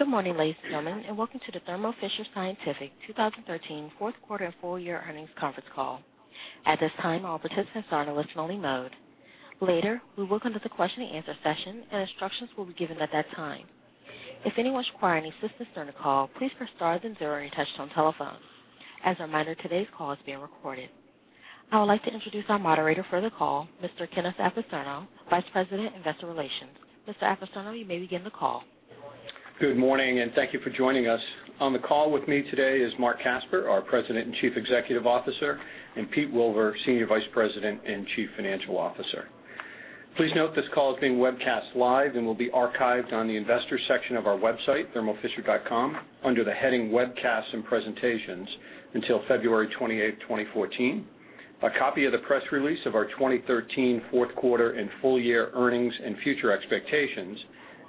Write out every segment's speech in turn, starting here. Good morning, ladies and gentlemen, welcome to the Thermo Fisher Scientific 2013 fourth quarter and full year earnings conference call. At this time, all participants are in a listen only mode. Later, we will come to the question and answer session, instructions will be given at that time. If anyone should require any assistance during the call, please press star then zero on your touch-tone telephone. As a reminder, today's call is being recorded. I would like to introduce our moderator for the call, Mr. Kenneth Apicerno, Vice President, Investor Relations. Mr. Apicerno, you may begin the call. Good morning, thank you for joining us. On the call with me today is Marc Casper, our President and Chief Executive Officer, and Pete Wilver, Senior Vice President and Chief Financial Officer. Please note this call is being webcast live and will be archived on the investor section of our website, thermofisher.com, under the heading Webcasts and Presentations until February 28, 2014. A copy of the press release of our 2013 fourth quarter and full year earnings and future expectations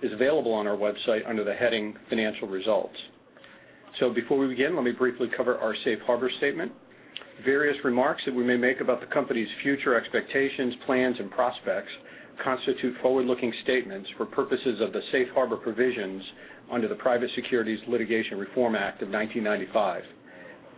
is available on our website under the heading Financial Results. Before we begin, let me briefly cover our safe harbor statement. Various remarks that we may make about the company's future expectations, plans, and prospects constitute forward-looking statements for purposes of the safe harbor provisions under the Private Securities Litigation Reform Act of 1995.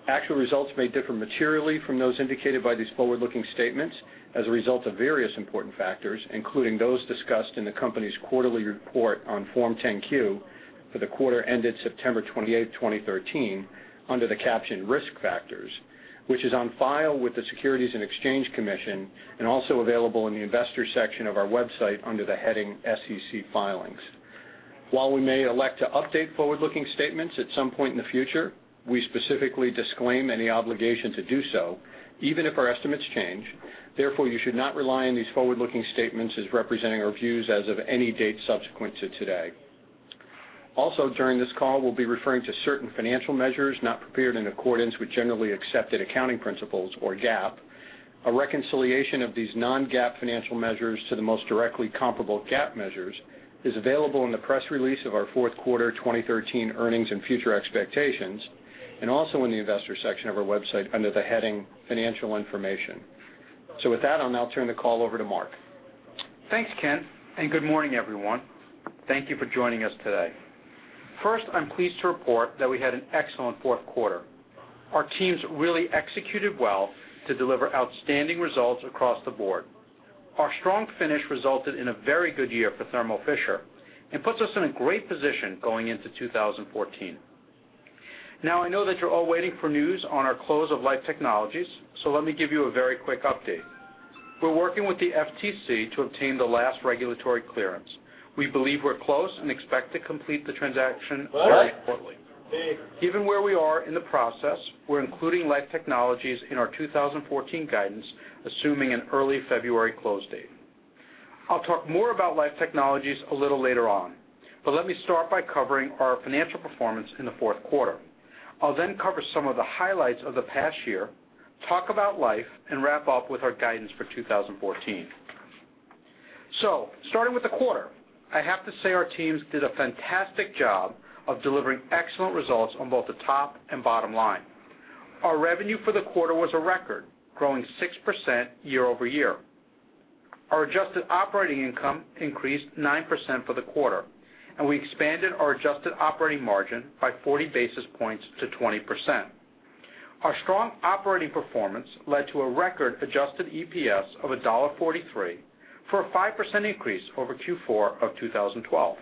Actual results may differ materially from those indicated by these forward-looking statements as a result of various important factors, including those discussed in the company's quarterly report on Form 10-Q for the quarter ended September 28, 2013, under the caption Risk Factors, which is on file with the Securities and Exchange Commission and also available in the Investor section of our website under the heading SEC Filings. While we may elect to update forward-looking statements at some point in the future, we specifically disclaim any obligation to do so, even if our estimates change. Therefore, you should not rely on these forward-looking statements as representing our views as of any date subsequent to today. Also, during this call, we'll be referring to certain financial measures not prepared in accordance with generally accepted accounting principles, or GAAP. A reconciliation of these non-GAAP financial measures to the most directly comparable GAAP measures is available in the press release of our fourth quarter 2013 earnings and future expectations, also in the Investor section of our website under the heading Financial Information. With that, I'll now turn the call over to Marc. Thanks, Ken, good morning, everyone. Thank you for joining us today. First, I'm pleased to report that we had an excellent fourth quarter. Our teams really executed well to deliver outstanding results across the board. Our strong finish resulted in a very good year for Thermo Fisher and puts us in a great position going into 2014. I know that you're all waiting for news on our close of Life Technologies, let me give you a very quick update. We're working with the FTC to obtain the last regulatory clearance. We believe we're close and expect to complete the transaction early quarterly. Given where we are in the process, we're including Life Technologies in our 2014 guidance, assuming an early February close date. I'll talk more about Life Technologies a little later on, but let me start by covering our financial performance in the fourth quarter. I'll cover some of the highlights of the past year, talk about Life, and wrap up with our guidance for 2014. Starting with the quarter, I have to say our teams did a fantastic job of delivering excellent results on both the top and bottom line. Our revenue for the quarter was a record, growing 6% year-over-year. Our adjusted operating income increased 9% for the quarter, and we expanded our adjusted operating margin by 40 basis points to 20%. Our strong operating performance led to a record adjusted EPS of $1.43 for a 5% increase over Q4 of 2012.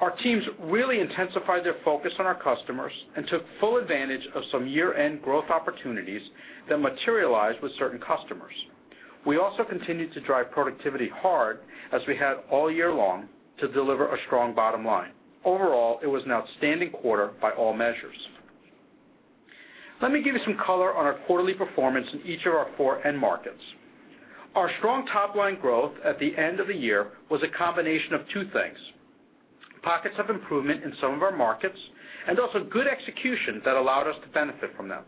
Our teams really intensified their focus on our customers and took full advantage of some year-end growth opportunities that materialized with certain customers. We also continued to drive productivity hard as we had all year long to deliver a strong bottom line. Overall, it was an outstanding quarter by all measures. Let me give you some color on our quarterly performance in each of our four end markets. Our strong top-line growth at the end of the year was a combination of two things, pockets of improvement in some of our markets and also good execution that allowed us to benefit from them.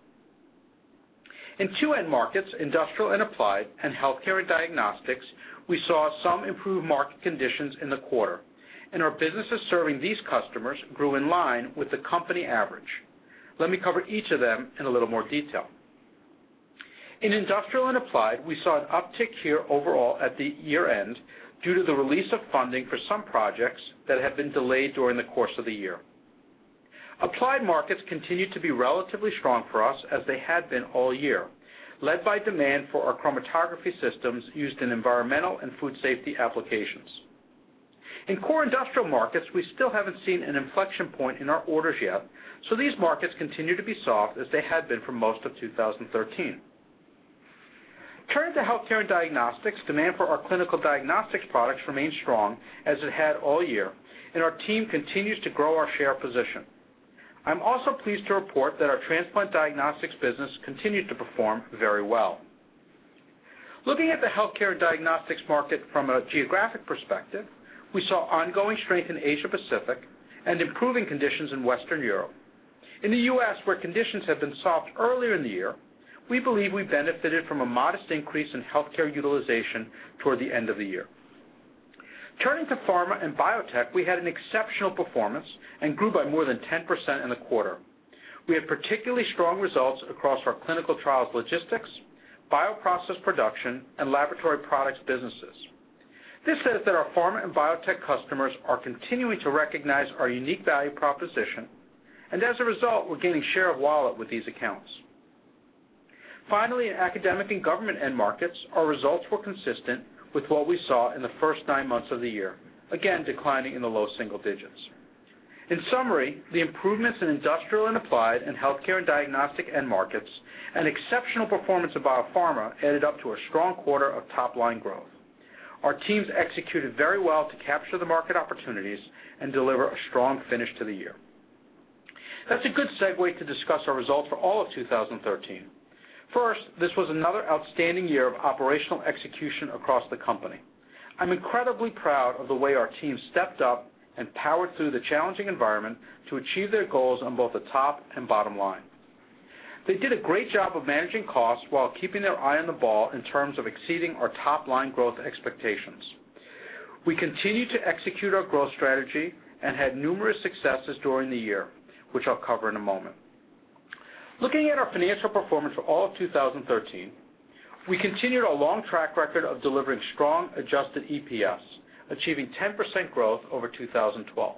In two end markets, industrial and applied and healthcare and diagnostics, we saw some improved market conditions in the quarter, our businesses serving these customers grew in line with the company average. Let me cover each of them in a little more detail. In industrial and applied, we saw an uptick here overall at the year-end due to the release of funding for some projects that had been delayed during the course of the year. Applied markets continued to be relatively strong for us as they had been all year, led by demand for our chromatography systems used in environmental and food safety applications. In core industrial markets, we still haven't seen an inflection point in our orders yet, these markets continue to be soft as they had been for most of 2013. Turning to healthcare and diagnostics, demand for our clinical diagnostics products remained strong, as it had all year, our team continues to grow our share position. I'm also pleased to report that our transplant diagnostics business continued to perform very well. Looking at the healthcare and diagnostics market from a geographic perspective, we saw ongoing strength in Asia Pacific and improving conditions in Western Europe. In the U.S., where conditions had been soft earlier in the year, we believe we benefited from a modest increase in healthcare utilization toward the end of the year. Turning to pharma and biotech, we had an exceptional performance and grew by more than 10% in the quarter. We had particularly strong results across our clinical trials logistics, bioprocess production, and Laboratory Products businesses. This says that our pharma and biotech customers are continuing to recognize our unique value proposition, and as a result, we're gaining share of wallet with these accounts. Finally, in academic and government end markets, our results were consistent with what we saw in the first nine months of the year, again, declining in the low single digits. In summary, the improvements in industrial and applied and healthcare and diagnostic end markets and exceptional performance of biopharma added up to a strong quarter of top-line growth. Our teams executed very well to capture the market opportunities and deliver a strong finish to the year. That's a good segue to discuss our results for all of 2013. First, this was another outstanding year of operational execution across the company. I'm incredibly proud of the way our team stepped up and powered through the challenging environment to achieve their goals on both the top and bottom line. They did a great job of managing costs while keeping their eye on the ball in terms of exceeding our top-line growth expectations. We continued to execute our growth strategy and had numerous successes during the year, which I'll cover in a moment. Looking at our financial performance for all of 2013, we continued our long track record of delivering strong adjusted EPS, achieving 10% growth over 2012.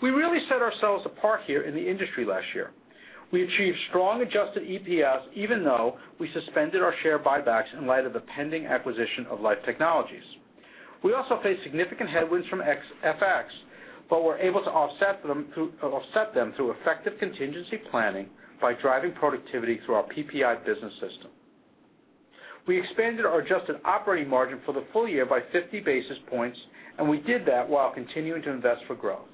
We really set ourselves apart here in the industry last year. We achieved strong adjusted EPS, even though we suspended our share buybacks in light of the pending acquisition of Life Technologies. We also faced significant headwinds from FX, but were able to offset them through effective contingency planning by driving productivity through our PPI business system. We expanded our adjusted operating margin for the full year by 50 basis points, and we did that while continuing to invest for growth.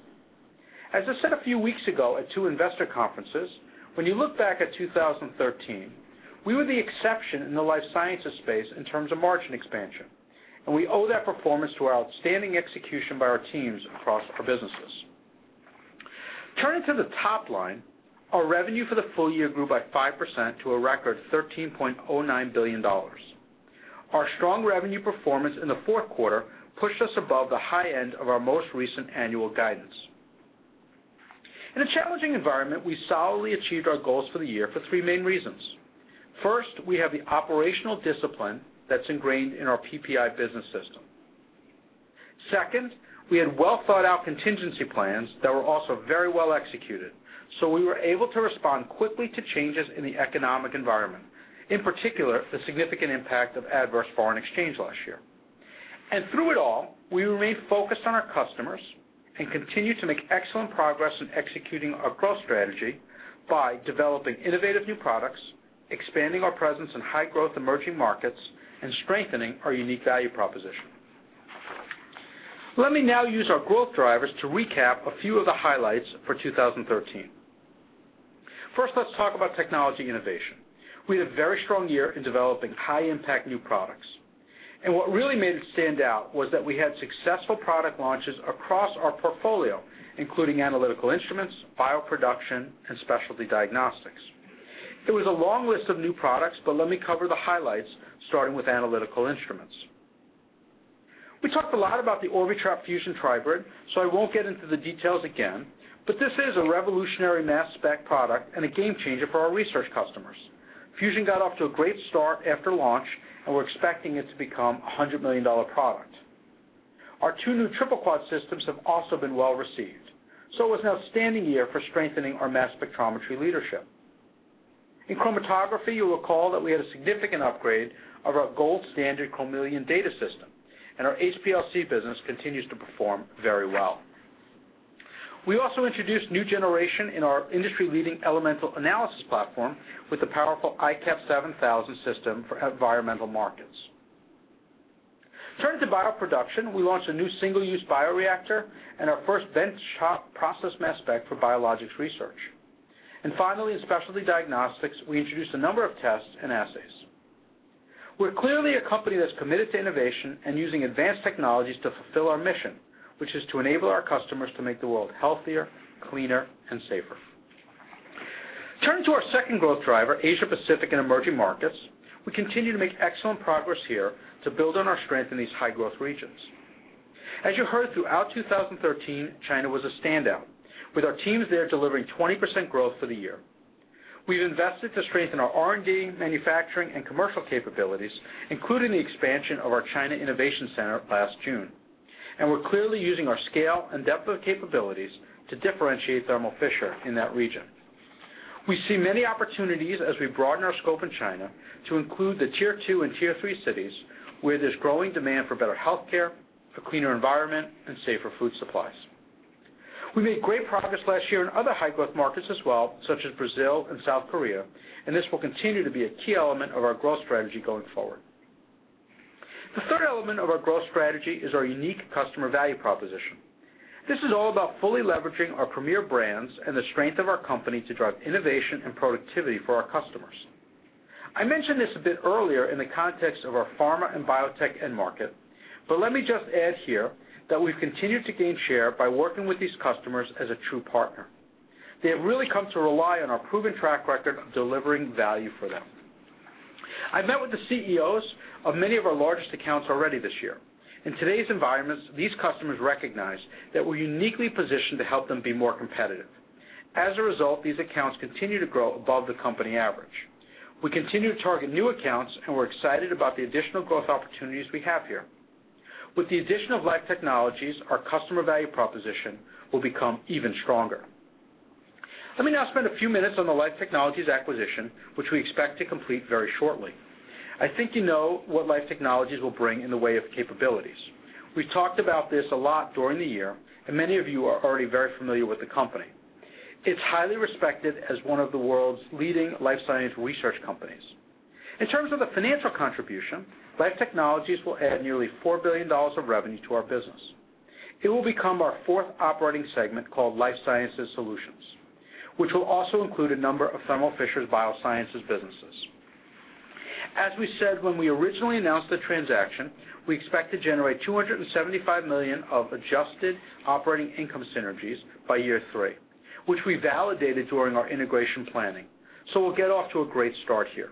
As I said a few weeks ago at two investor conferences, when you look back at 2013, we were the exception in the life sciences space in terms of margin expansion, and we owe that performance to our outstanding execution by our teams across our businesses. Turning to the top line, our revenue for the full year grew by 5% to a record $13.09 billion. Our strong revenue performance in the fourth quarter pushed us above the high end of our most recent annual guidance. In a challenging environment, we solidly achieved our goals for the year for three main reasons. First, we have the operational discipline that's ingrained in our PPI business system. Second, we had well-thought-out contingency plans that were also very well executed, so we were able to respond quickly to changes in the economic environment, in particular, the significant impact of adverse foreign exchange last year. Through it all, we remained focused on our customers and continued to make excellent progress in executing our growth strategy by developing innovative new products, expanding our presence in high-growth emerging markets, and strengthening our unique value proposition. Let me now use our growth drivers to recap a few of the highlights for 2013. First, let's talk about technology innovation. We had a very strong year in developing high-impact new products. What really made it stand out was that we had successful product launches across our portfolio, including Analytical Instruments, bioproduction, and Specialty Diagnostics. It was a long list of new products, let me cover the highlights, starting with Analytical Instruments. We talked a lot about the Orbitrap Fusion Tribrid, I won't get into the details again, this is a revolutionary mass spec product and a game changer for our research customers. Fusion got off to a great start after launch, we're expecting it to become a $100 million product. Our two new Triple Quadrupole systems have also been well-received, it was an outstanding year for strengthening our mass spectrometry leadership. In chromatography, you'll recall that we had a significant upgrade of our gold standard Chromeleon data system, our HPLC business continues to perform very well. We also introduced new generation in our industry-leading elemental analysis platform with the powerful iCAP 7000 system for environmental markets. Turning to bioproduction, we launched a new single-use bioreactor and our first bench process mass spec for biologics research. Finally, in Specialty Diagnostics, we introduced a number of tests and assays. We're clearly a company that's committed to innovation and using advanced technologies to fulfill our mission, which is to enable our customers to make the world healthier, cleaner, and safer. Turning to our second growth driver, Asia-Pacific and emerging markets, we continue to make excellent progress here to build on our strength in these high-growth regions. As you heard, throughout 2013, China was a standout, with our teams there delivering 20% growth for the year. We've invested to strengthen our R&D, manufacturing, and commercial capabilities, including the expansion of our China Innovation Center last June. We're clearly using our scale and depth of capabilities to differentiate Thermo Fisher in that region. We see many opportunities as we broaden our scope in China to include the tier 2 and tier 3 cities, where there's growing demand for better healthcare, a cleaner environment, and safer food supplies. We made great progress last year in other high-growth markets as well, such as Brazil and South Korea, this will continue to be a key element of our growth strategy going forward. The third element of our growth strategy is our unique customer value proposition. This is all about fully leveraging our premier brands and the strength of our company to drive innovation and productivity for our customers. I mentioned this a bit earlier in the context of our pharma and biotech end market, let me just add here that we've continued to gain share by working with these customers as a true partner. They have really come to rely on our proven track record of delivering value for them. I've met with the CEOs of many of our largest accounts already this year. In today's environments, these customers recognize that we're uniquely positioned to help them be more competitive. As a result, these accounts continue to grow above the company average. We continue to target new accounts, we're excited about the additional growth opportunities we have here. With the addition of Life Technologies, our customer value proposition will become even stronger. Let me now spend a few minutes on the Life Technologies acquisition, which we expect to complete very shortly. I think you know what Life Technologies will bring in the way of capabilities. We've talked about this a lot during the year, and many of you are already very familiar with the company. It's highly respected as one of the world's leading life science research companies. In terms of the financial contribution, Life Technologies will add nearly $4 billion of revenue to our business. It will become our 4th operating segment, called Life Sciences Solutions, which will also include a number of Thermo Fisher's Biosciences businesses. As we said when we originally announced the transaction, we expect to generate $275 million of adjusted operating income synergies by year three, which we validated during our integration planning. We'll get off to a great start here.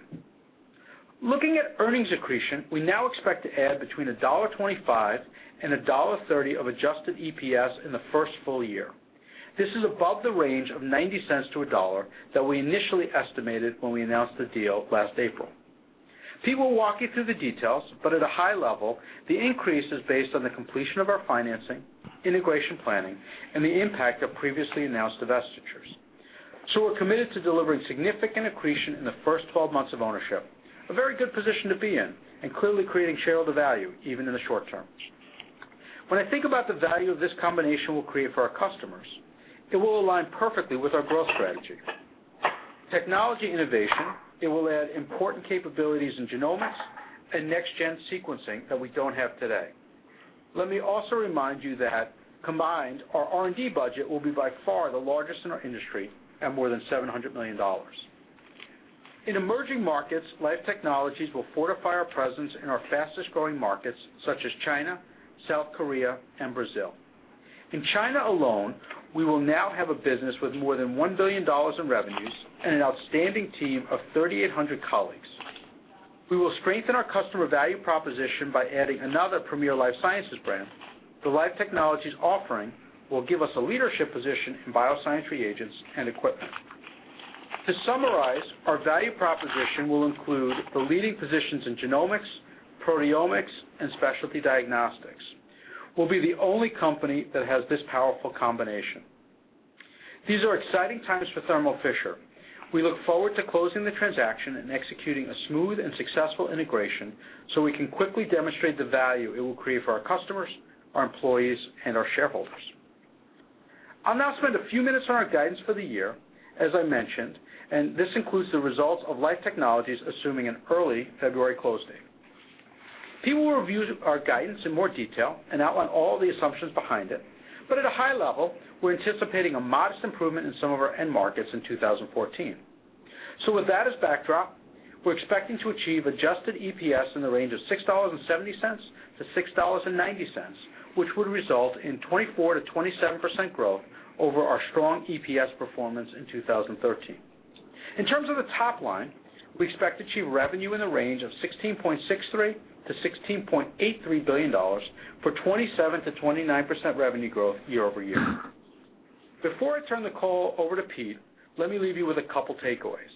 Looking at earnings accretion, we now expect to add between $1.25 and $1.30 of adjusted EPS in the 1st full year. This is above the range of $0.90 to $1.00 that we initially estimated when we announced the deal last April. Pete will walk you through the details. At a high level, the increase is based on the completion of our financing, integration planning, and the impact of previously announced divestitures. We're committed to delivering significant accretion in the 1st 12 months of ownership, a very good position to be in, and clearly creating shareholder value, even in the short term. When I think about the value of this combination we'll create for our customers, it will align perfectly with our growth strategy. Technology innovation, it will add important capabilities in genomics and next-gen sequencing that we don't have today. Let me also remind you that, combined, our R&D budget will be by far the largest in our industry at more than $700 million. In emerging markets, Life Technologies will fortify our presence in our fastest-growing markets, such as China, South Korea, and Brazil. In China alone, we will now have a business with more than $1 billion in revenues and an outstanding team of 3,800 colleagues. We will strengthen our customer value proposition by adding another premier life sciences brand. The Life Technologies offering will give us a leadership position in bioscience reagents and equipment. To summarize, our value proposition will include the leading positions in genomics, proteomics, and Specialty Diagnostics. We'll be the only company that has this powerful combination. These are exciting times for Thermo Fisher. We look forward to closing the transaction and executing a smooth and successful integration so we can quickly demonstrate the value it will create for our customers, our employees, and our shareholders. I'll now spend a few minutes on our guidance for the year, as I mentioned. This includes the results of Life Technologies, assuming an early February close date. Pete will review our guidance in more detail and outline all the assumptions behind it. At a high level, we're anticipating a modest improvement in some of our end markets in 2014. With that as backdrop, we're expecting to achieve adjusted EPS in the range of $6.70-$6.90, which would result in 24%-27% growth over our strong EPS performance in 2013. In terms of the top line, we expect to achieve revenue in the range of $16.63 billion-$16.83 billion for 27%-29% revenue growth year-over-year. Before I turn the call over to Pete, let me leave you with a couple takeaways.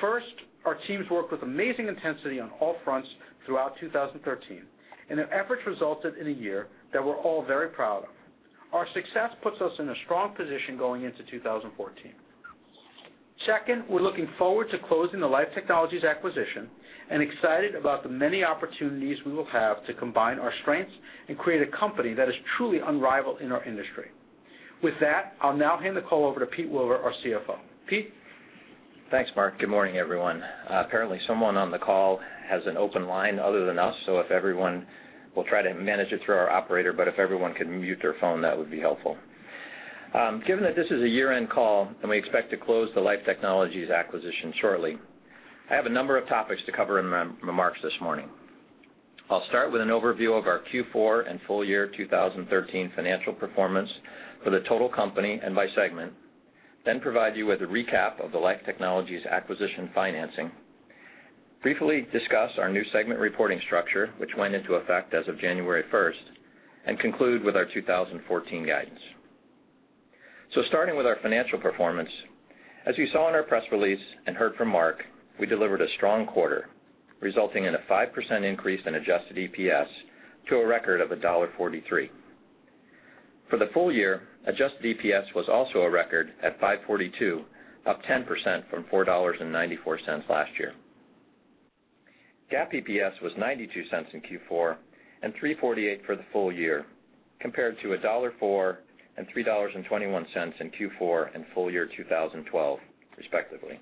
First, our teams worked with amazing intensity on all fronts throughout 2013, and their efforts resulted in a year that we're all very proud of. Our success puts us in a strong position going into 2014. Second, we're looking forward to closing the Life Technologies acquisition and excited about the many opportunities we will have to combine our strengths and create a company that is truly unrivaled in our industry. With that, I'll now hand the call over to Peter Wilver, our CFO. Pete? Thanks, Marc. Good morning, everyone. Apparently, someone on the call has an open line other than us, if everyone will try to manage it through our operator, but if everyone can mute their phone, that would be helpful. Given that this is a year-end call, and we expect to close the Life Technologies acquisition shortly, I have a number of topics to cover in my remarks this morning. I'll start with an overview of our Q4 and full year 2013 financial performance for the total company and by segment, then provide you with a recap of the Life Technologies acquisition financing, briefly discuss our new segment reporting structure, which went into effect as of January 1st, and conclude with our 2014 guidance. Starting with our financial performance, as you saw in our press release and heard from Marc, we delivered a strong quarter, resulting in a 5% increase in adjusted EPS to a record of $1.43. For the full year, adjusted EPS was also a record at $5.42, up 10% from $4.94 last year. GAAP EPS was $0.92 in Q4 and $3.48 for the full year, compared to $1.04 and $3.21 in Q4 and full year 2012, respectively.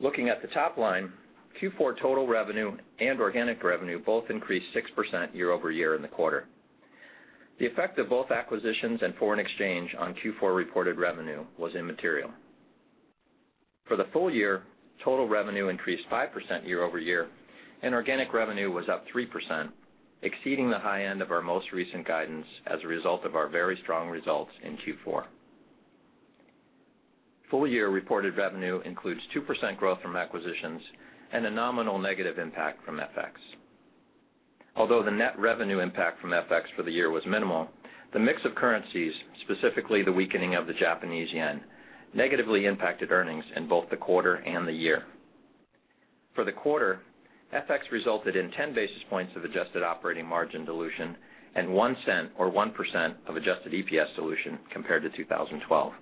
Looking at the top line, Q4 total revenue and organic revenue both increased 6% year-over-year in the quarter. The effect of both acquisitions and foreign exchange on Q4 reported revenue was immaterial. For the full year, total revenue increased 5% year-over-year, and organic revenue was up 3%, exceeding the high end of our most recent guidance as a result of our very strong results in Q4. Full year reported revenue includes 2% growth from acquisitions and a nominal negative impact from FX. Although the net revenue impact from FX for the year was minimal, the mix of currencies, specifically the weakening of the Japanese yen, negatively impacted earnings in both the quarter and the year. For the quarter, FX resulted in 10 basis points of adjusted operating margin dilution and $0.01 or 1% of adjusted EPS dilution compared to 2012.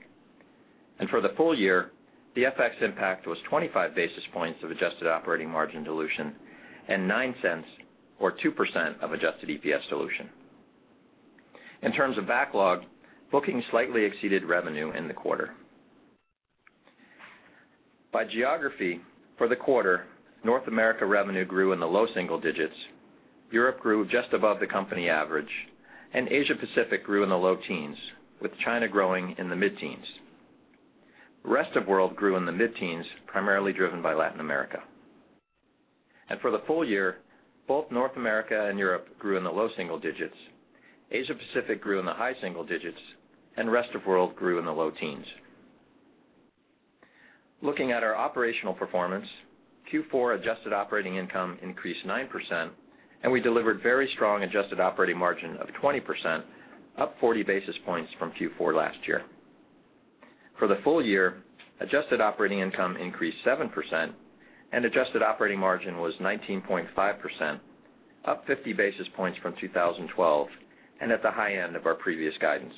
For the full year, the FX impact was 25 basis points of adjusted operating margin dilution and $0.09 or 2% of adjusted EPS dilution. In terms of backlog, booking slightly exceeded revenue in the quarter. By geography, for the quarter, North America revenue grew in the low single digits. Europe grew just above the company average, and Asia Pacific grew in the low teens, with China growing in the mid-teens. Rest of world grew in the mid-teens, primarily driven by Latin America. For the full year, both North America and Europe grew in the low single digits. Asia Pacific grew in the high single digits and rest of world grew in the low teens. Looking at our operational performance, Q4 adjusted operating income increased 9%, and we delivered very strong adjusted operating margin of 20%, up 40 basis points from Q4 last year. For the full year, adjusted operating income increased 7% and adjusted operating margin was 19.5%, up 50 basis points from 2012 and at the high end of our previous guidance.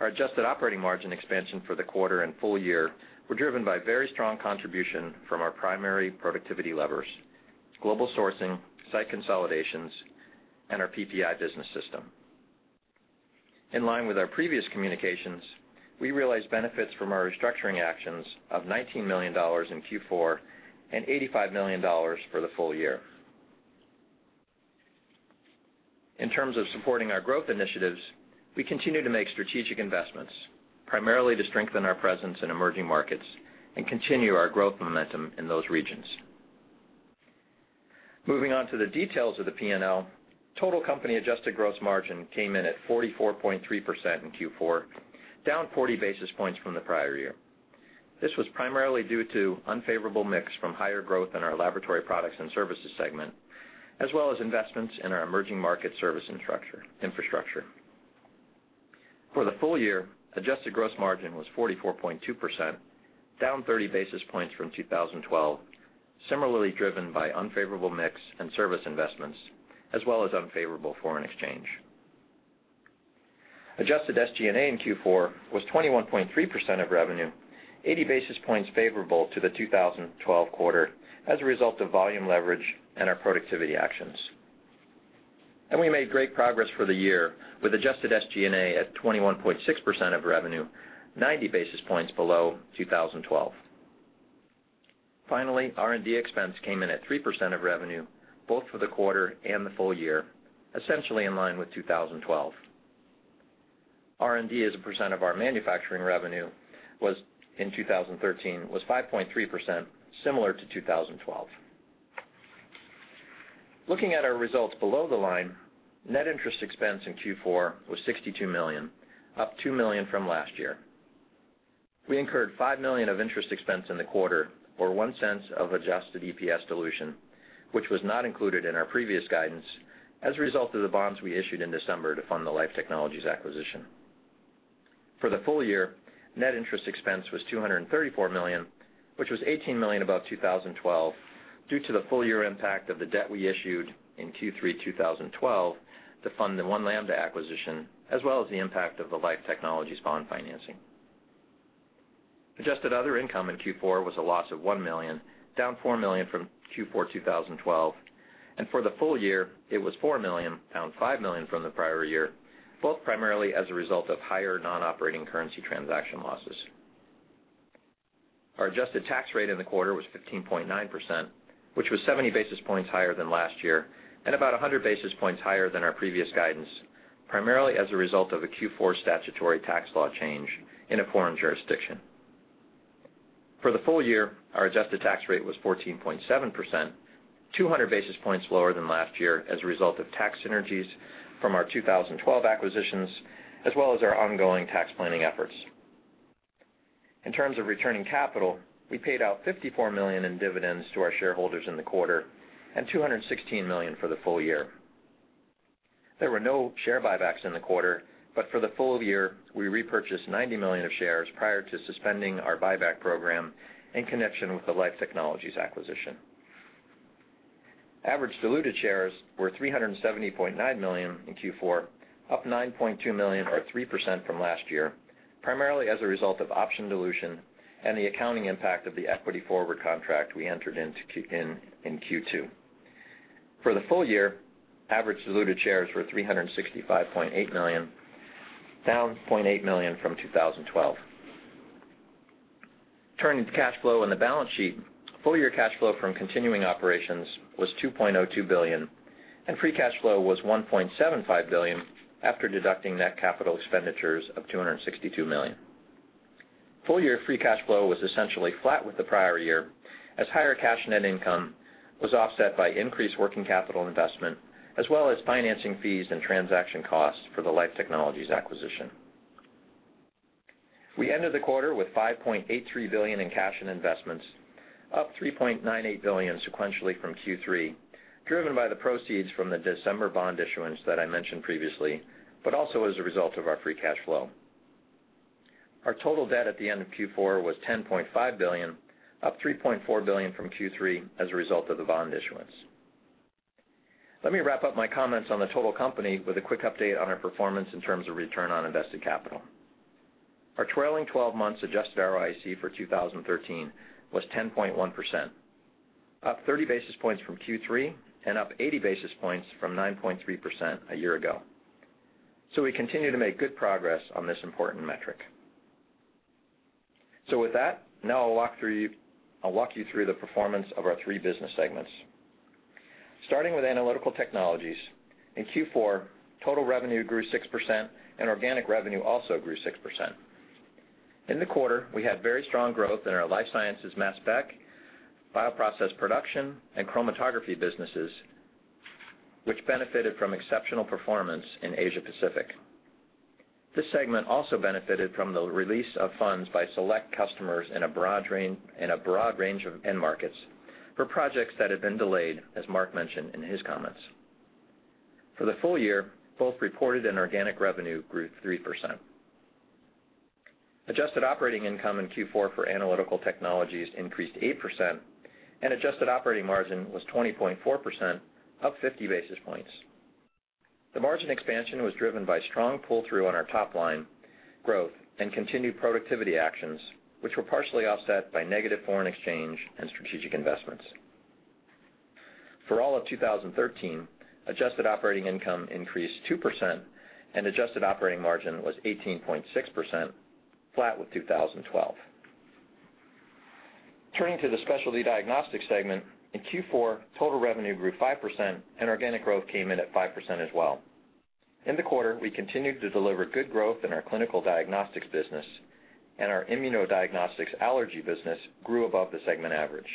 Our adjusted operating margin expansion for the quarter and full year were driven by very strong contribution from our primary productivity levers: global sourcing, site consolidations, and our PPI business system. In line with our previous communications, we realized benefits from our restructuring actions of $19 million in Q4 and $85 million for the full year. In terms of supporting our growth initiatives, we continue to make strategic investments, primarily to strengthen our presence in emerging markets and continue our growth momentum in those regions. Moving on to the details of the P&L. Total company adjusted gross margin came in at 44.3% in Q4, down 40 basis points from the prior year. This was primarily due to unfavorable mix from higher growth in our Laboratory Products and Services segment, as well as investments in our emerging market service infrastructure. For the full year, adjusted gross margin was 44.2%, down 30 basis points from 2012, similarly driven by unfavorable mix and service investments, as well as unfavorable foreign exchange. Adjusted SG&A in Q4 was 21.3% of revenue, 80 basis points favorable to the 2012 quarter as a result of volume leverage and our productivity actions. We made great progress for the year with adjusted SG&A at 21.6% of revenue, 90 basis points below 2012. Finally, R&D expense came in at 3% of revenue, both for the quarter and the full year, essentially in line with 2012. R&D as a percent of our manufacturing revenue in 2013 was 5.3%, similar to 2012. Looking at our results below the line, net interest expense in Q4 was $62 million, up $2 million from last year. We incurred $5 million of interest expense in the quarter, or $0.01 of adjusted EPS dilution, which was not included in our previous guidance as a result of the bonds we issued in December to fund the Life Technologies acquisition. For the full year, net interest expense was $234 million, which was $18 million above 2012 due to the full year impact of the debt we issued in Q3 2012 to fund the One Lambda acquisition, as well as the impact of the Life Technologies bond financing. Adjusted other income in Q4 was a loss of $1 million, down $4 million from Q4 2012. For the full year it was $4 million, down $5 million from the prior year, both primarily as a result of higher non-operating currency transaction losses. Our adjusted tax rate in the quarter was 15.9%, which was 70 basis points higher than last year and about 100 basis points higher than our previous guidance, primarily as a result of a Q4 statutory tax law change in a foreign jurisdiction. For the full year, our adjusted tax rate was 14.7%, 200 basis points lower than last year as a result of tax synergies from our 2012 acquisitions, as well as our ongoing tax planning efforts. In terms of returning capital, we paid out $54 million in dividends to our shareholders in the quarter and $216 million for the full year. There were no share buybacks in the quarter, but for the full year, we repurchased 90 million of shares prior to suspending our buyback program in connection with the Life Technologies acquisition. Average diluted shares were 370.9 million in Q4, up 9.2 million or 3% from last year, primarily as a result of option dilution and the accounting impact of the equity forward contract we entered into in Q2. For the full year, average diluted shares were 365.8 million, down 0.8 million from 2012. Turning to cash flow and the balance sheet. Full year cash flow from continuing operations was $2.02 billion and free cash flow was $1.75 billion, after deducting net capital expenditures of $262 million. Full year free cash flow was essentially flat with the prior year, as higher cash net income was offset by increased working capital investment, as well as financing fees and transaction costs for the Life Technologies acquisition. We ended the quarter with $5.83 billion in cash and investments, up $3.98 billion sequentially from Q3, driven by the proceeds from the December bond issuance that I mentioned previously, but also as a result of our free cash flow. Our total debt at the end of Q4 was $10.5 billion, up $3.4 billion from Q3 as a result of the bond issuance. Let me wrap up my comments on the total company with a quick update on our performance in terms of return on invested capital. Our trailing 12 months adjusted ROIC for 2013 was 10.1%, up 30 basis points from Q3 and up 80 basis points from 9.3% a year ago. We continue to make good progress on this important metric. With that, now I'll walk you through the performance of our three business segments. Starting with Analytical Technologies, in Q4, total revenue grew 6% and organic revenue also grew 6%. In the quarter, we had very strong growth in our life sciences mass spec, bioprocess production, and chromatography businesses, which benefited from exceptional performance in Asia Pacific. This segment also benefited from the release of funds by select customers in a broad range of end markets for projects that had been delayed, as Marc mentioned in his comments. For the full year, both reported and organic revenue grew 3%. Adjusted operating income in Q4 for Analytical Technologies increased 8%, and adjusted operating margin was 20.4%, up 50 basis points. The margin expansion was driven by strong pull-through on our top-line growth and continued productivity actions, which were partially offset by negative foreign exchange and strategic investments. For all of 2013, adjusted operating income increased 2% and adjusted operating margin was 18.6%, flat with 2012. Turning to the Specialty Diagnostics segment, in Q4, total revenue grew 5% and organic growth came in at 5% as well. In the quarter, we continued to deliver good growth in our clinical diagnostics business, and our immunodiagnostics allergy business grew above the segment average.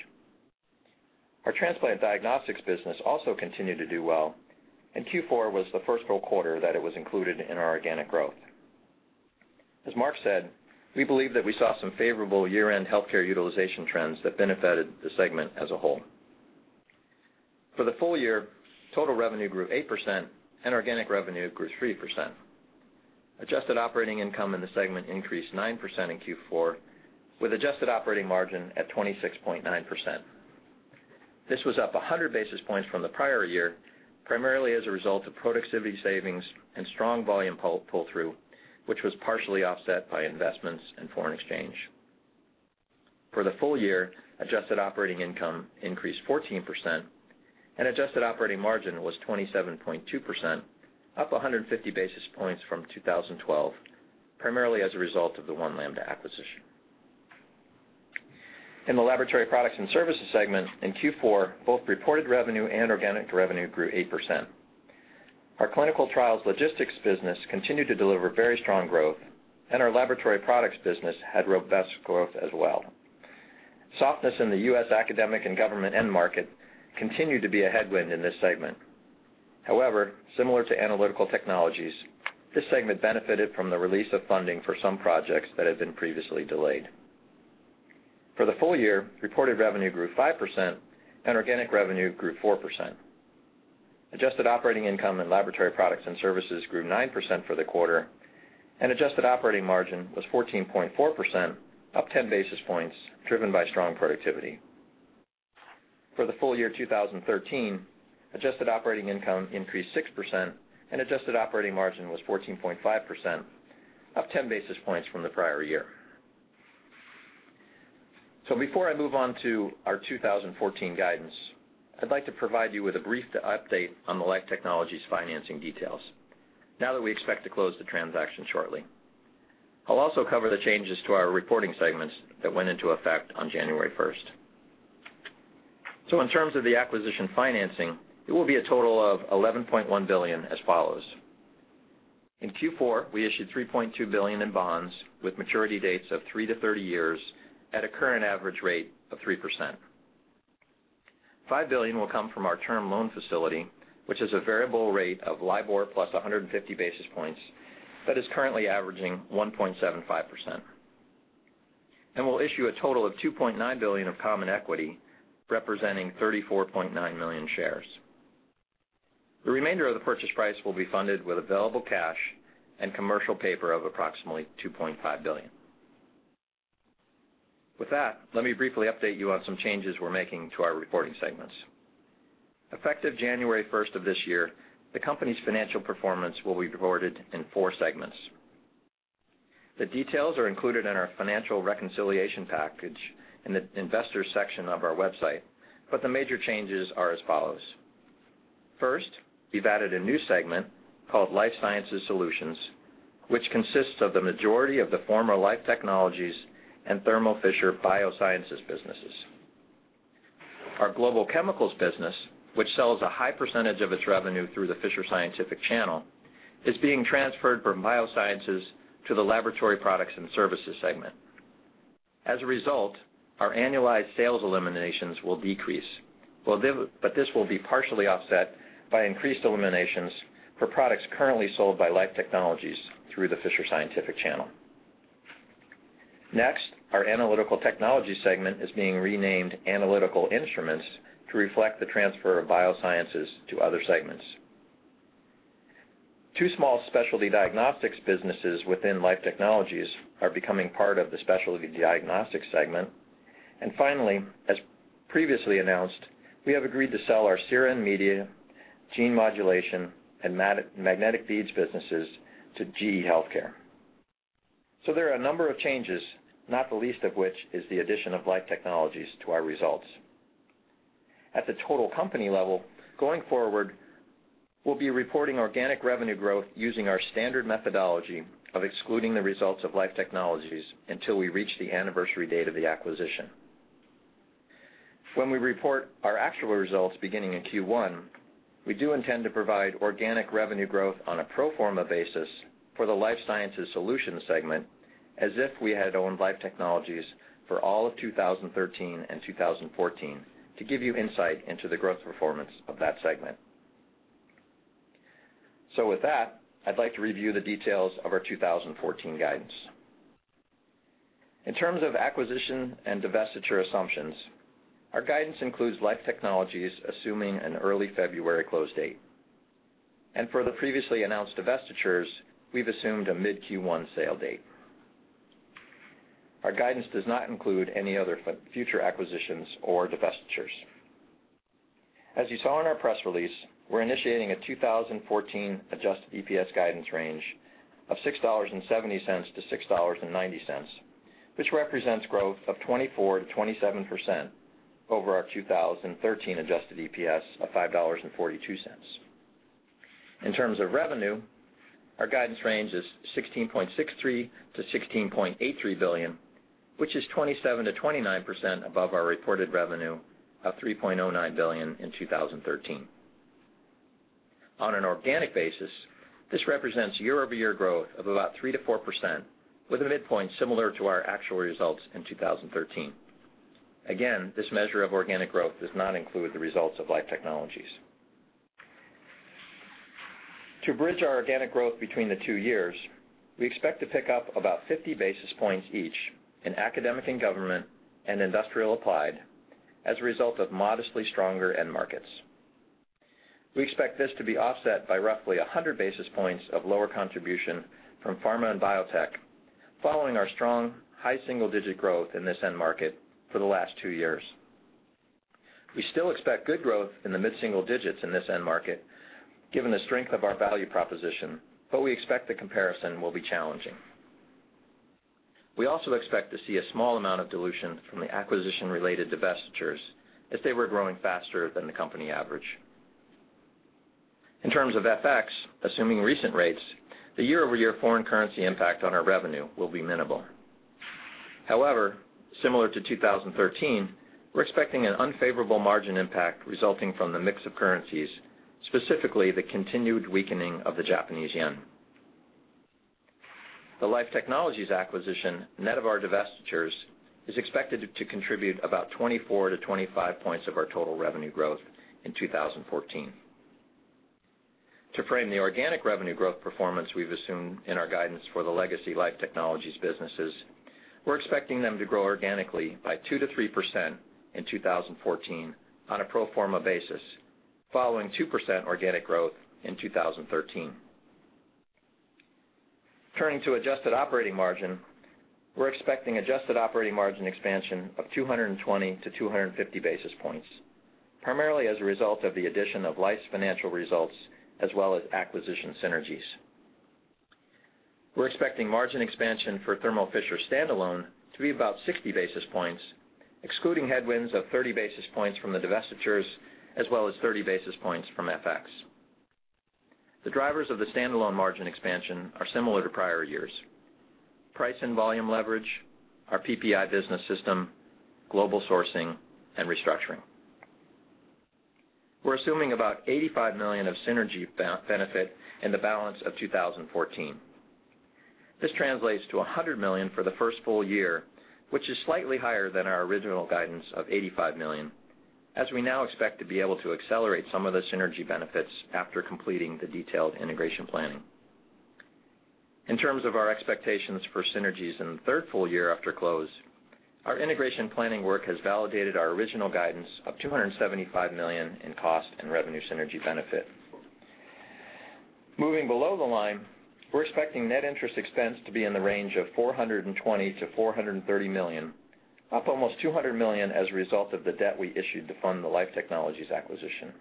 Our transplant diagnostics business also continued to do well, and Q4 was the first full quarter that it was included in our organic growth. As Marc Casper said, we believe that we saw some favorable year-end healthcare utilization trends that benefited the segment as a whole. For the full year, total revenue grew 8% and organic revenue grew 3%. Adjusted operating income in the segment increased 9% in Q4, with adjusted operating margin at 26.9%. This was up 100 basis points from the prior year, primarily as a result of productivity savings and strong volume pull-through, which was partially offset by investments in foreign exchange. For the full year, adjusted operating income increased 14% and adjusted operating margin was 27.2%, up 150 basis points from 2012, primarily as a result of the One Lambda acquisition. In the Laboratory Products and Services segment in Q4, both reported revenue and organic revenue grew 8%. Our clinical trials logistics business continued to deliver very strong growth, and our laboratory products business had robust growth as well. Softness in the U.S. academic and government end market continued to be a headwind in this segment. However, similar to Analytical Technologies, this segment benefited from the release of funding for some projects that had been previously delayed. For the full year, reported revenue grew 5% and organic revenue grew 4%. Adjusted operating income in Laboratory Products and Services grew 9% for the quarter, and adjusted operating margin was 14.4%, up 10 basis points, driven by strong productivity. For the full year 2013, adjusted operating income increased 6% and adjusted operating margin was 14.5%, up 10 basis points from the prior year. Before I move on to our 2014 guidance, I'd like to provide you with a brief update on the Life Technologies financing details now that we expect to close the transaction shortly. I'll also cover the changes to our reporting segments that went into effect on January 1st. In terms of the acquisition financing, it will be a total of $11.1 billion as follows. In Q4, we issued $3.2 billion in bonds with maturity dates of three to 30 years at a current average rate of 3%. $5 billion will come from our term loan facility, which is a variable rate of LIBOR plus 150 basis points but is currently averaging 1.75%. We'll issue a total of $2.9 billion of common equity, representing 34.9 million shares. The remainder of the purchase price will be funded with available cash and commercial paper of approximately $2.5 billion. With that, let me briefly update you on some changes we're making to our reporting segments. Effective January 1st of this year, the company's financial performance will be reported in four segments. The details are included in our financial reconciliation package in the investors section of our website, but the major changes are as follows. First, we've added a new segment called Life Sciences Solutions, which consists of the majority of the former Life Technologies and Thermo Fisher Biosciences businesses. Our global chemicals business, which sells a high percentage of its revenue through the Fisher Scientific channel, is being transferred from Biosciences to the Laboratory Products and Services segment. As a result, our annualized sales eliminations will decrease, but this will be partially offset by increased eliminations for products currently sold by Life Technologies through the Fisher Scientific channel. Next, our Analytical Technologies segment is being renamed Analytical Instruments to reflect the transfer of Biosciences to other segments. Two small Specialty Diagnostics businesses within Life Technologies are becoming part of the Specialty Diagnostics segment. Finally, as previously announced, we have agreed to sell our serum media, gene modulation, and magnetic beads businesses to GE HealthCare. There are a number of changes, not the least of which is the addition of Life Technologies to our results. At the total company level, going forward, we will be reporting organic revenue growth using our standard methodology of excluding the results of Life Technologies until we reach the anniversary date of the acquisition. When we report our actual results beginning in Q1, we do intend to provide organic revenue growth on a pro forma basis for the Life Sciences Solutions segment as if we had owned Life Technologies for all of 2013 and 2014 to give you insight into the growth performance of that segment. With that, I'd like to review the details of our 2014 guidance. In terms of acquisition and divestiture assumptions, our guidance includes Life Technologies assuming an early February close date. For the previously announced divestitures, we've assumed a mid Q1 sale date. Our guidance does not include any other future acquisitions or divestitures. As you saw in our press release, we're initiating a 2014 adjusted EPS guidance range of $6.70-$6.90, which represents growth of 24%-27% over our 2013 adjusted EPS of $5.42. In terms of revenue, our guidance range is $16.63 billion-$16.83 billion, which is 27%-29% above our reported revenue of $13.09 billion in 2013. On an organic basis, this represents year-over-year growth of about 3%-4% with a midpoint similar to our actual results in 2013. Again, this measure of organic growth does not include the results of Life Technologies. To bridge our organic growth between the two years, we expect to pick up about 50 basis points each in academic and government and industrial and applied as a result of modestly stronger end markets. We expect this to be offset by roughly 100 basis points of lower contribution from pharma and biotech following our strong high single-digit growth in this end market for the last two years. We still expect good growth in the mid-single digits in this end market, given the strength of our value proposition, but we expect the comparison will be challenging. We also expect to see a small amount of dilution from the acquisition-related divestitures if they were growing faster than the company average. In terms of FX, assuming recent rates, the year-over-year foreign currency impact on our revenue will be minimal. However, similar to 2013, we're expecting an unfavorable margin impact resulting from the mix of currencies, specifically the continued weakening of the Japanese yen. The Life Technologies acquisition, net of our divestitures, is expected to contribute about 24 to 25 points of our total revenue growth in 2014. To frame the organic revenue growth performance we've assumed in our guidance for the legacy Life Technologies businesses, we're expecting them to grow organically by 2%-3% in 2014 on a pro forma basis, following 2% organic growth in 2013. Turning to adjusted operating margin, we're expecting adjusted operating margin expansion of 220 to 250 basis points, primarily as a result of the addition of Life's financial results, as well as acquisition synergies. We're expecting margin expansion for Thermo Fisher standalone to be about 60 basis points, excluding headwinds of 30 basis points from the divestitures, as well as 30 basis points from FX. The drivers of the standalone margin expansion are similar to prior years: price and volume leverage, our PPI business system, global sourcing, and restructuring. We're assuming about $85 million of synergy benefit in the balance of 2014. This translates to $100 million for the first full year, which is slightly higher than our original guidance of $85 million, as we now expect to be able to accelerate some of the synergy benefits after completing the detailed integration planning. In terms of our expectations for synergies in the third full year after close, our integration planning work has validated our original guidance of $275 million in cost and revenue synergy benefit. Moving below the line, we're expecting net interest expense to be in the range of $420 million-$430 million, up almost $200 million as a result of the debt we issued to fund the Life Technologies acquisition.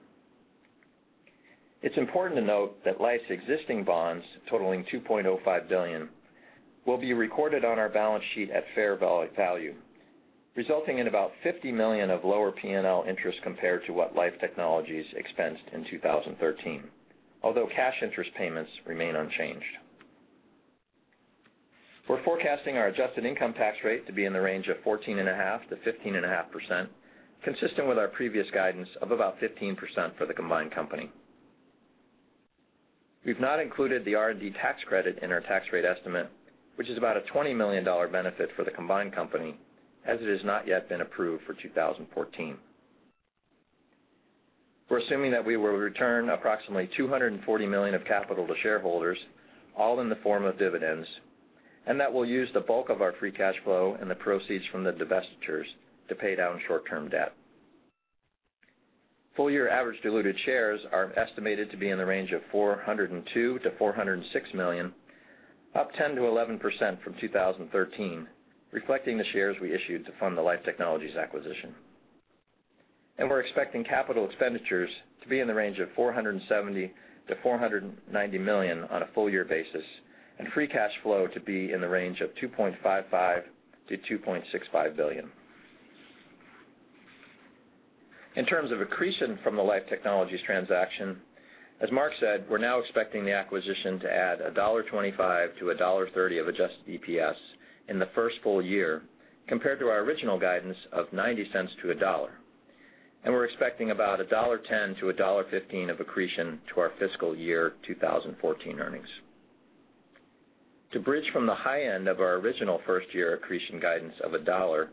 It's important to note that Life's existing bonds, totaling $2.05 billion, will be recorded on our balance sheet at fair value, resulting in about $50 million of lower P&L interest compared to what Life Technologies expensed in 2013. Cash interest payments remain unchanged. We're forecasting our adjusted income tax rate to be in the range of 14.5%-15.5%, consistent with our previous guidance of about 15% for the combined company. We've not included the R&D tax credit in our tax rate estimate, which is about a $20 million benefit for the combined company, as it has not yet been approved for 2014. We're assuming that we will return approximately $240 million of capital to shareholders, all in the form of dividends, that we'll use the bulk of our free cash flow and the proceeds from the divestitures to pay down short-term debt. Full-year average diluted shares are estimated to be in the range of 402 million-406 million, up 10%-11% from 2013, reflecting the shares we issued to fund the Life Technologies acquisition. We're expecting capital expenditures to be in the range of $470 million-$490 million on a full-year basis and free cash flow to be in the range of $2.55 billion-$2.65 billion. In terms of accretion from the Life Technologies transaction, as Marc said, we're now expecting the acquisition to add $1.25-$1.30 of adjusted EPS in the first full year compared to our original guidance of $0.90-$1.00. We're expecting about $1.10-$1.15 of accretion to our FY 2014 earnings. To bridge from the high end of our original first-year accretion guidance of $1.00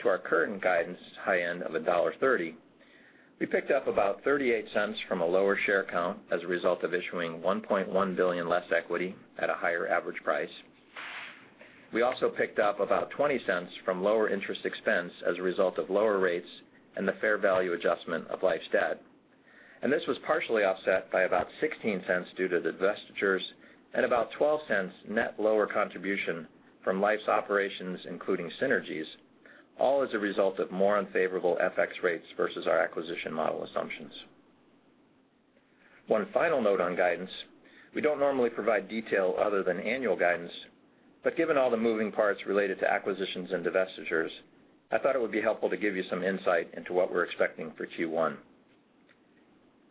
to our current guidance high end of $1.30, we picked up about $0.38 from a lower share count as a result of issuing 1.1 billion less equity at a higher average price. We also picked up about $0.20 from lower interest expense as a result of lower rates and the fair value adjustment of Life's debt. This was partially offset by about $0.16 due to divestitures and about $0.12 net lower contribution from Life's operations, including synergies, all as a result of more unfavorable FX rates versus our acquisition model assumptions. One final note on guidance. We don't normally provide detail other than annual guidance, but given all the moving parts related to acquisitions and divestitures, I thought it would be helpful to give you some insight into what we're expecting for Q1.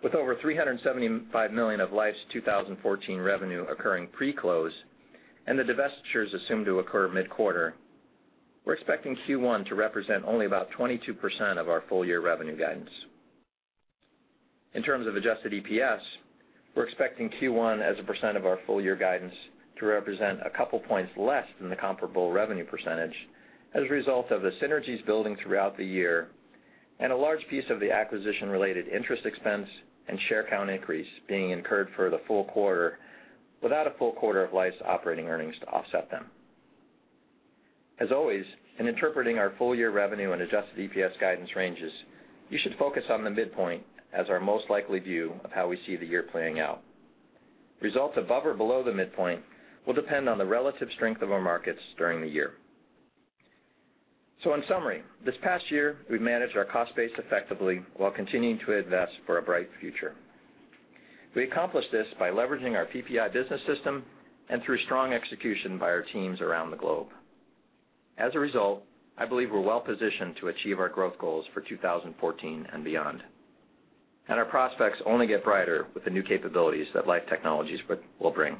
With over $375 million of Life's 2014 revenue occurring pre-close and the divestitures assumed to occur mid-quarter, we're expecting Q1 to represent only about 22% of our full-year revenue guidance. In terms of adjusted EPS, we're expecting Q1 as a percent of our full-year guidance to represent a couple points less than the comparable revenue percentage as a result of the synergies building throughout the year and a large piece of the acquisition-related interest expense and share count increase being incurred for the full quarter without a full quarter of Life's operating earnings to offset them. As always, in interpreting our full-year revenue and adjusted EPS guidance ranges, you should focus on the midpoint as our most likely view of how we see the year playing out. Results above or below the midpoint will depend on the relative strength of our markets during the year. In summary, this past year, we've managed our cost base effectively while continuing to invest for a bright future. We accomplished this by leveraging our PPI business system and through strong execution by our teams around the globe. As a result, I believe we're well positioned to achieve our growth goals for 2014 and beyond. Our prospects only get brighter with the new capabilities that Life Technologies will bring.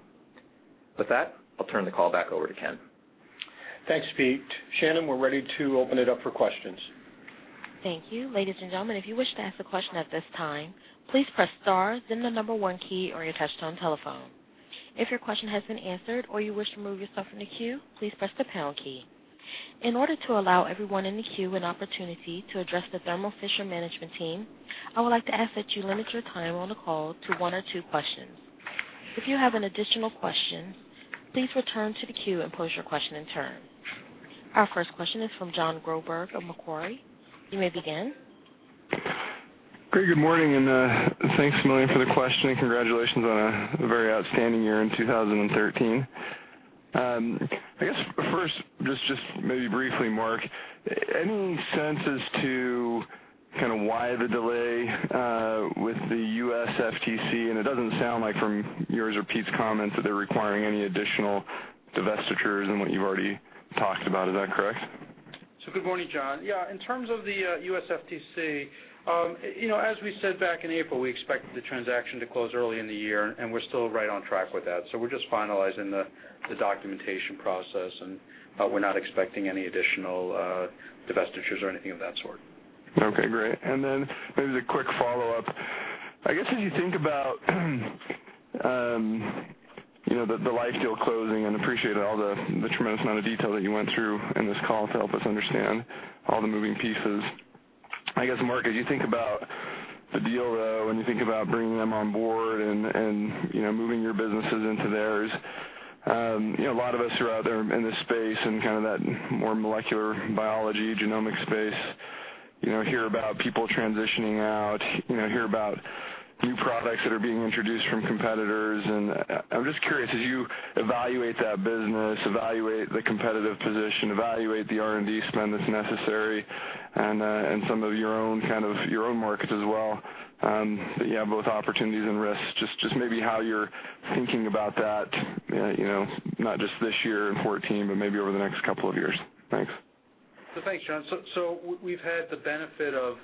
With that, I'll turn the call back over to Ken. Thanks, Pete. Shannon, we're ready to open it up for questions. Thank you. Ladies and gentlemen, if you wish to ask a question at this time, please press star then the number one key on your touchtone telephone. If your question has been answered or you wish to remove yourself from the queue, please press the pound key. In order to allow everyone in the queue an opportunity to address the Thermo Fisher management team, I would like to ask that you limit your time on the call to one or two questions. If you have an additional question, please return to the queue and pose your question in turn. Our first question is from John Groberg of Macquarie. You may begin. Great. Good morning, thanks a million for the question, and congratulations on a very outstanding year in 2013. I guess first, just maybe briefly, Marc, any sense as to kind of why the delay with the U.S. FTC? It doesn't sound like from yours or Pete's comments that they're requiring any additional divestitures than what you've already talked about. Is that correct? Good morning, John. In terms of the U.S. FTC, as we said back in April, we expect the transaction to close early in the year, we're still right on track with that. We're just finalizing the documentation process, we're not expecting any additional divestitures or anything of that sort. Okay, great. Maybe a quick follow-up. I guess, as you think about the Life deal closing and appreciate all the tremendous amount of detail that you went through in this call to help us understand all the moving pieces. I guess, Marc, as you think about the deal, though, you think about bringing them on board and moving your businesses into theirs, a lot of us who are out there in this space and kind of that more molecular biology genomic space hear about people transitioning out, hear about new products that are being introduced from competitors. I'm just curious, as you evaluate that business, evaluate the competitive position, evaluate the R&D spend that's necessary and some of your own kind of your own markets as well, both opportunities and risks, just maybe how you're thinking about that, not just this year in 2014, maybe over the next couple of years. Thanks. Thanks, John. We've had the benefit of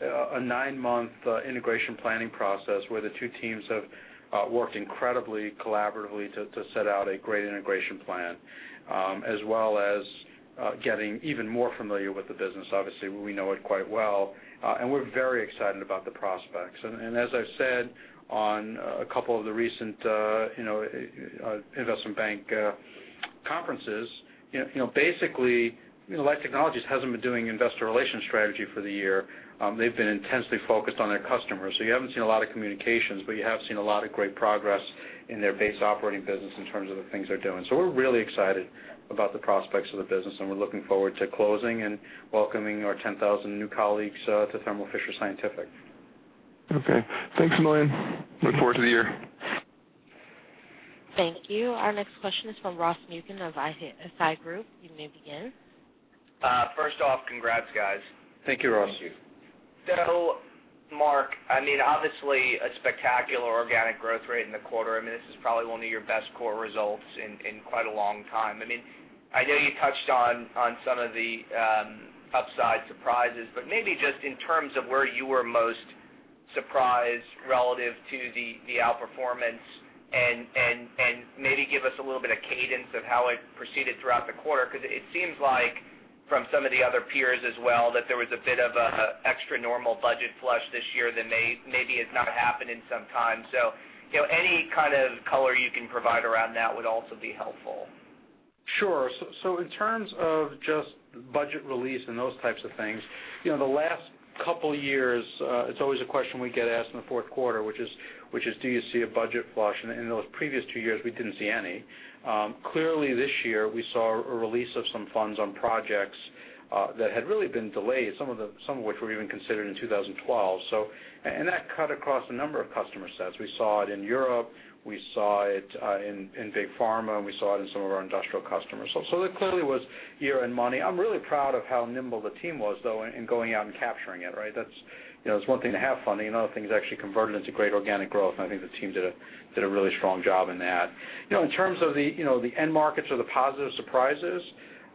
a nine-month integration planning process where the two teams have worked incredibly collaboratively to set out a great integration plan, as well as getting even more familiar with the business. Obviously, we know it quite well. We're very excited about the prospects. As I've said on a couple of the recent investment bank conferences, basically, Life Technologies hasn't been doing investor relations strategy for the year. They've been intensely focused on their customers. You haven't seen a lot of communications, but you have seen a lot of great progress in their base operating business in terms of the things they're doing. We're really excited about the prospects of the business, and we're looking forward to closing and welcoming our 10,000 new colleagues to Thermo Fisher Scientific. Okay. Thanks a million. Look forward to the year. Thank you. Our next question is from Ross Muken of ISI Group. You may begin. First off, congrats guys. Thank you, Ross. Marc, obviously a spectacular organic growth rate in the quarter. This is probably one of your best core results in quite a long time. I know you touched on some of the upside surprises, but maybe just in terms of where you were most surprised relative to the outperformance and maybe give us a little bit of cadence of how it proceeded throughout the quarter, because it seems like from some of the other peers as well, that there was a bit of a extra normal budget flush this year that maybe has not happened in some time. Any kind of color you can provide around that would also be helpful. Sure. In terms of just budget release and those types of things, the last couple years, it's always a question we get asked in the fourth quarter, which is do you see a budget flush? In those previous two years, we didn't see any. Clearly this year, we saw a release of some funds on projects that had really been delayed, some of which were even considered in 2012, and that cut across a number of customer sets. We saw it in Europe, we saw it in big pharma, and we saw it in some of our industrial customers. That clearly was year-end money. I'm really proud of how nimble the team was, though, in going out and capturing it, right? It's one thing to have funding, another thing is actually convert it into great organic growth, and I think the team did a really strong job in that. In terms of the end markets or the positive surprises,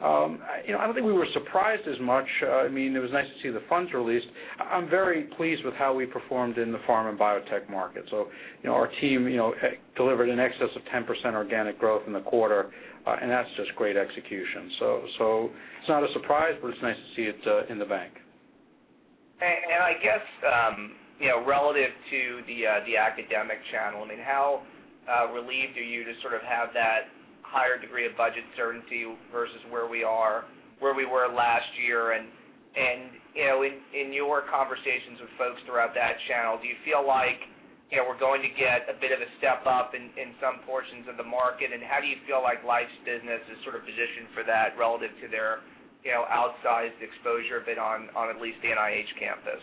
I don't think we were surprised as much. It was nice to see the funds released. I'm very pleased with how we performed in the pharma and biotech market. Our team delivered in excess of 10% organic growth in the quarter, and that's just great execution. It's not a surprise, but it's nice to see it in the bank. I guess, relative to the academic channel, how relieved are you to sort of have that higher degree of budget certainty versus where we were last year? In your conversations with folks throughout that channel, do you feel like we're going to get a bit of a step-up in some portions of the market, and how do you feel like Life's business is sort of positioned for that relative to their outsized exposure bit on at least the NIH campus?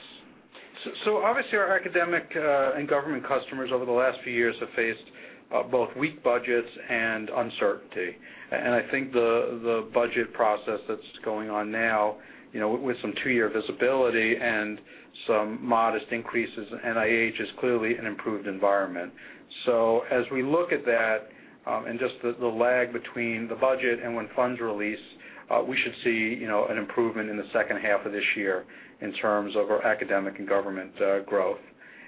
Obviously, our academic and government customers over the last few years have faced both weak budgets and uncertainty. I think the budget process that's going on now with some two-year visibility and some modest increases in NIH is clearly an improved environment. As we look at that and just the lag between the budget and when funds release, we should see an improvement in the second half of this year in terms of our academic and government growth.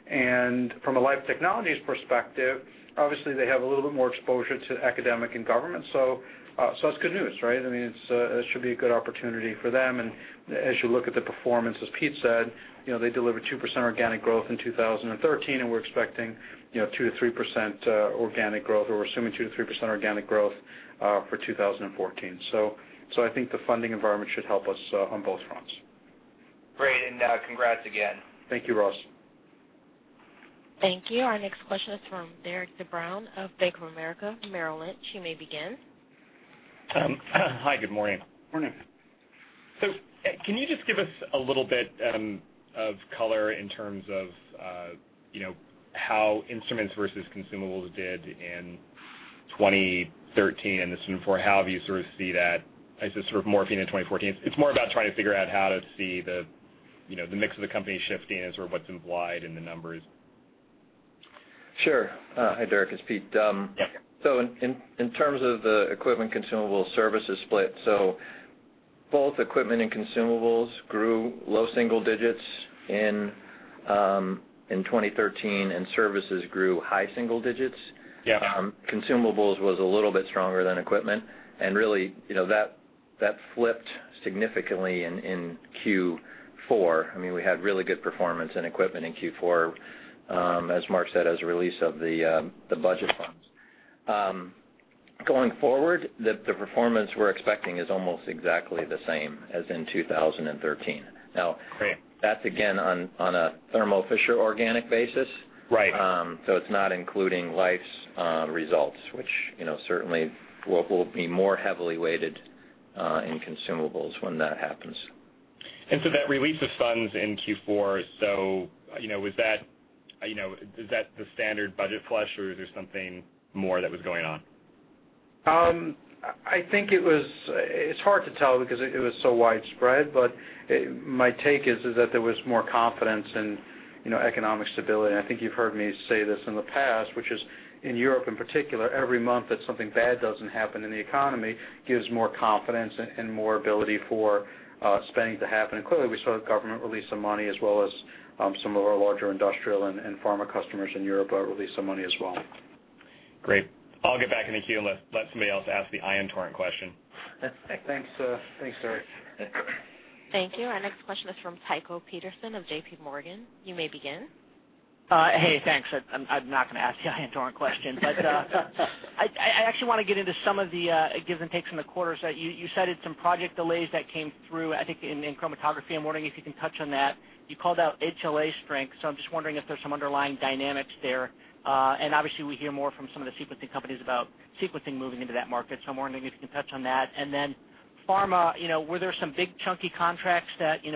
From a Life Technologies perspective, obviously, they have a little bit more exposure to academic and government, so it's good news, right? It should be a good opportunity for them, and as you look at the performance, as Pete said, they delivered 2% organic growth in 2013, and we're assuming 2%-3% organic growth for 2014. I think the funding environment should help us on both fronts. Great, congrats again. Thank you, Ross. Thank you. Our next question is from Derik de Bruin of Bank of America Merrill Lynch. You may begin. Hi, good morning. Morning. Can you just give us a little bit of color in terms of how instruments versus consumables did in 2013 and this one for how you sort of see that as it's sort of morphing in 2014? It's more about trying to figure out how to see the mix of the company shifting and sort of what's implied in the numbers. Sure. Hi, Derik, it's Pete. Yeah. In terms of the equipment consumable services split, both equipment and consumables grew low single digits in 2013, and services grew high single digits. Yeah. Consumables was a little bit stronger than equipment, and really, that flipped significantly in Q4. We had really good performance in equipment in Q4, as Marc said, as a release of the budget funds. Going forward, the performance we're expecting is almost exactly the same as in 2013. Great That's again, on a Thermo Fisher organic basis. Right. It's not including Life's results, which certainly will be more heavily weighted in consumables when that happens. That release of funds in Q4, is that the standard budget flush, or is there something more that was going on? I think it's hard to tell because it was so widespread, but my take is that there was more confidence in economic stability. I think you've heard me say this in the past, which is, in Europe in particular, every month that something bad doesn't happen in the economy gives more confidence and more ability for spending to happen. Clearly, we saw the government release some money, as well as some of our larger industrial and pharma customers in Europe release some money as well. Great. I'll get back in the queue and let somebody else ask the Ion Torrent question. Thanks. Thanks, Derik. Thank you. Our next question is from Tycho Peterson of J.P. Morgan. You may begin. Hey, thanks. I'm not going to ask the Ion Torrent question. I actually want to get into some of the gives and takes from the quarter. You cited some project delays that came through, I think, in chromatography. I'm wondering if you can touch on that. You called out HLA strength, so I'm just wondering if there's some underlying dynamics there. Obviously we hear more from some of the sequencing companies about sequencing moving into that market, so I'm wondering if you can touch on that. Pharma, were there some big chunky contracts that you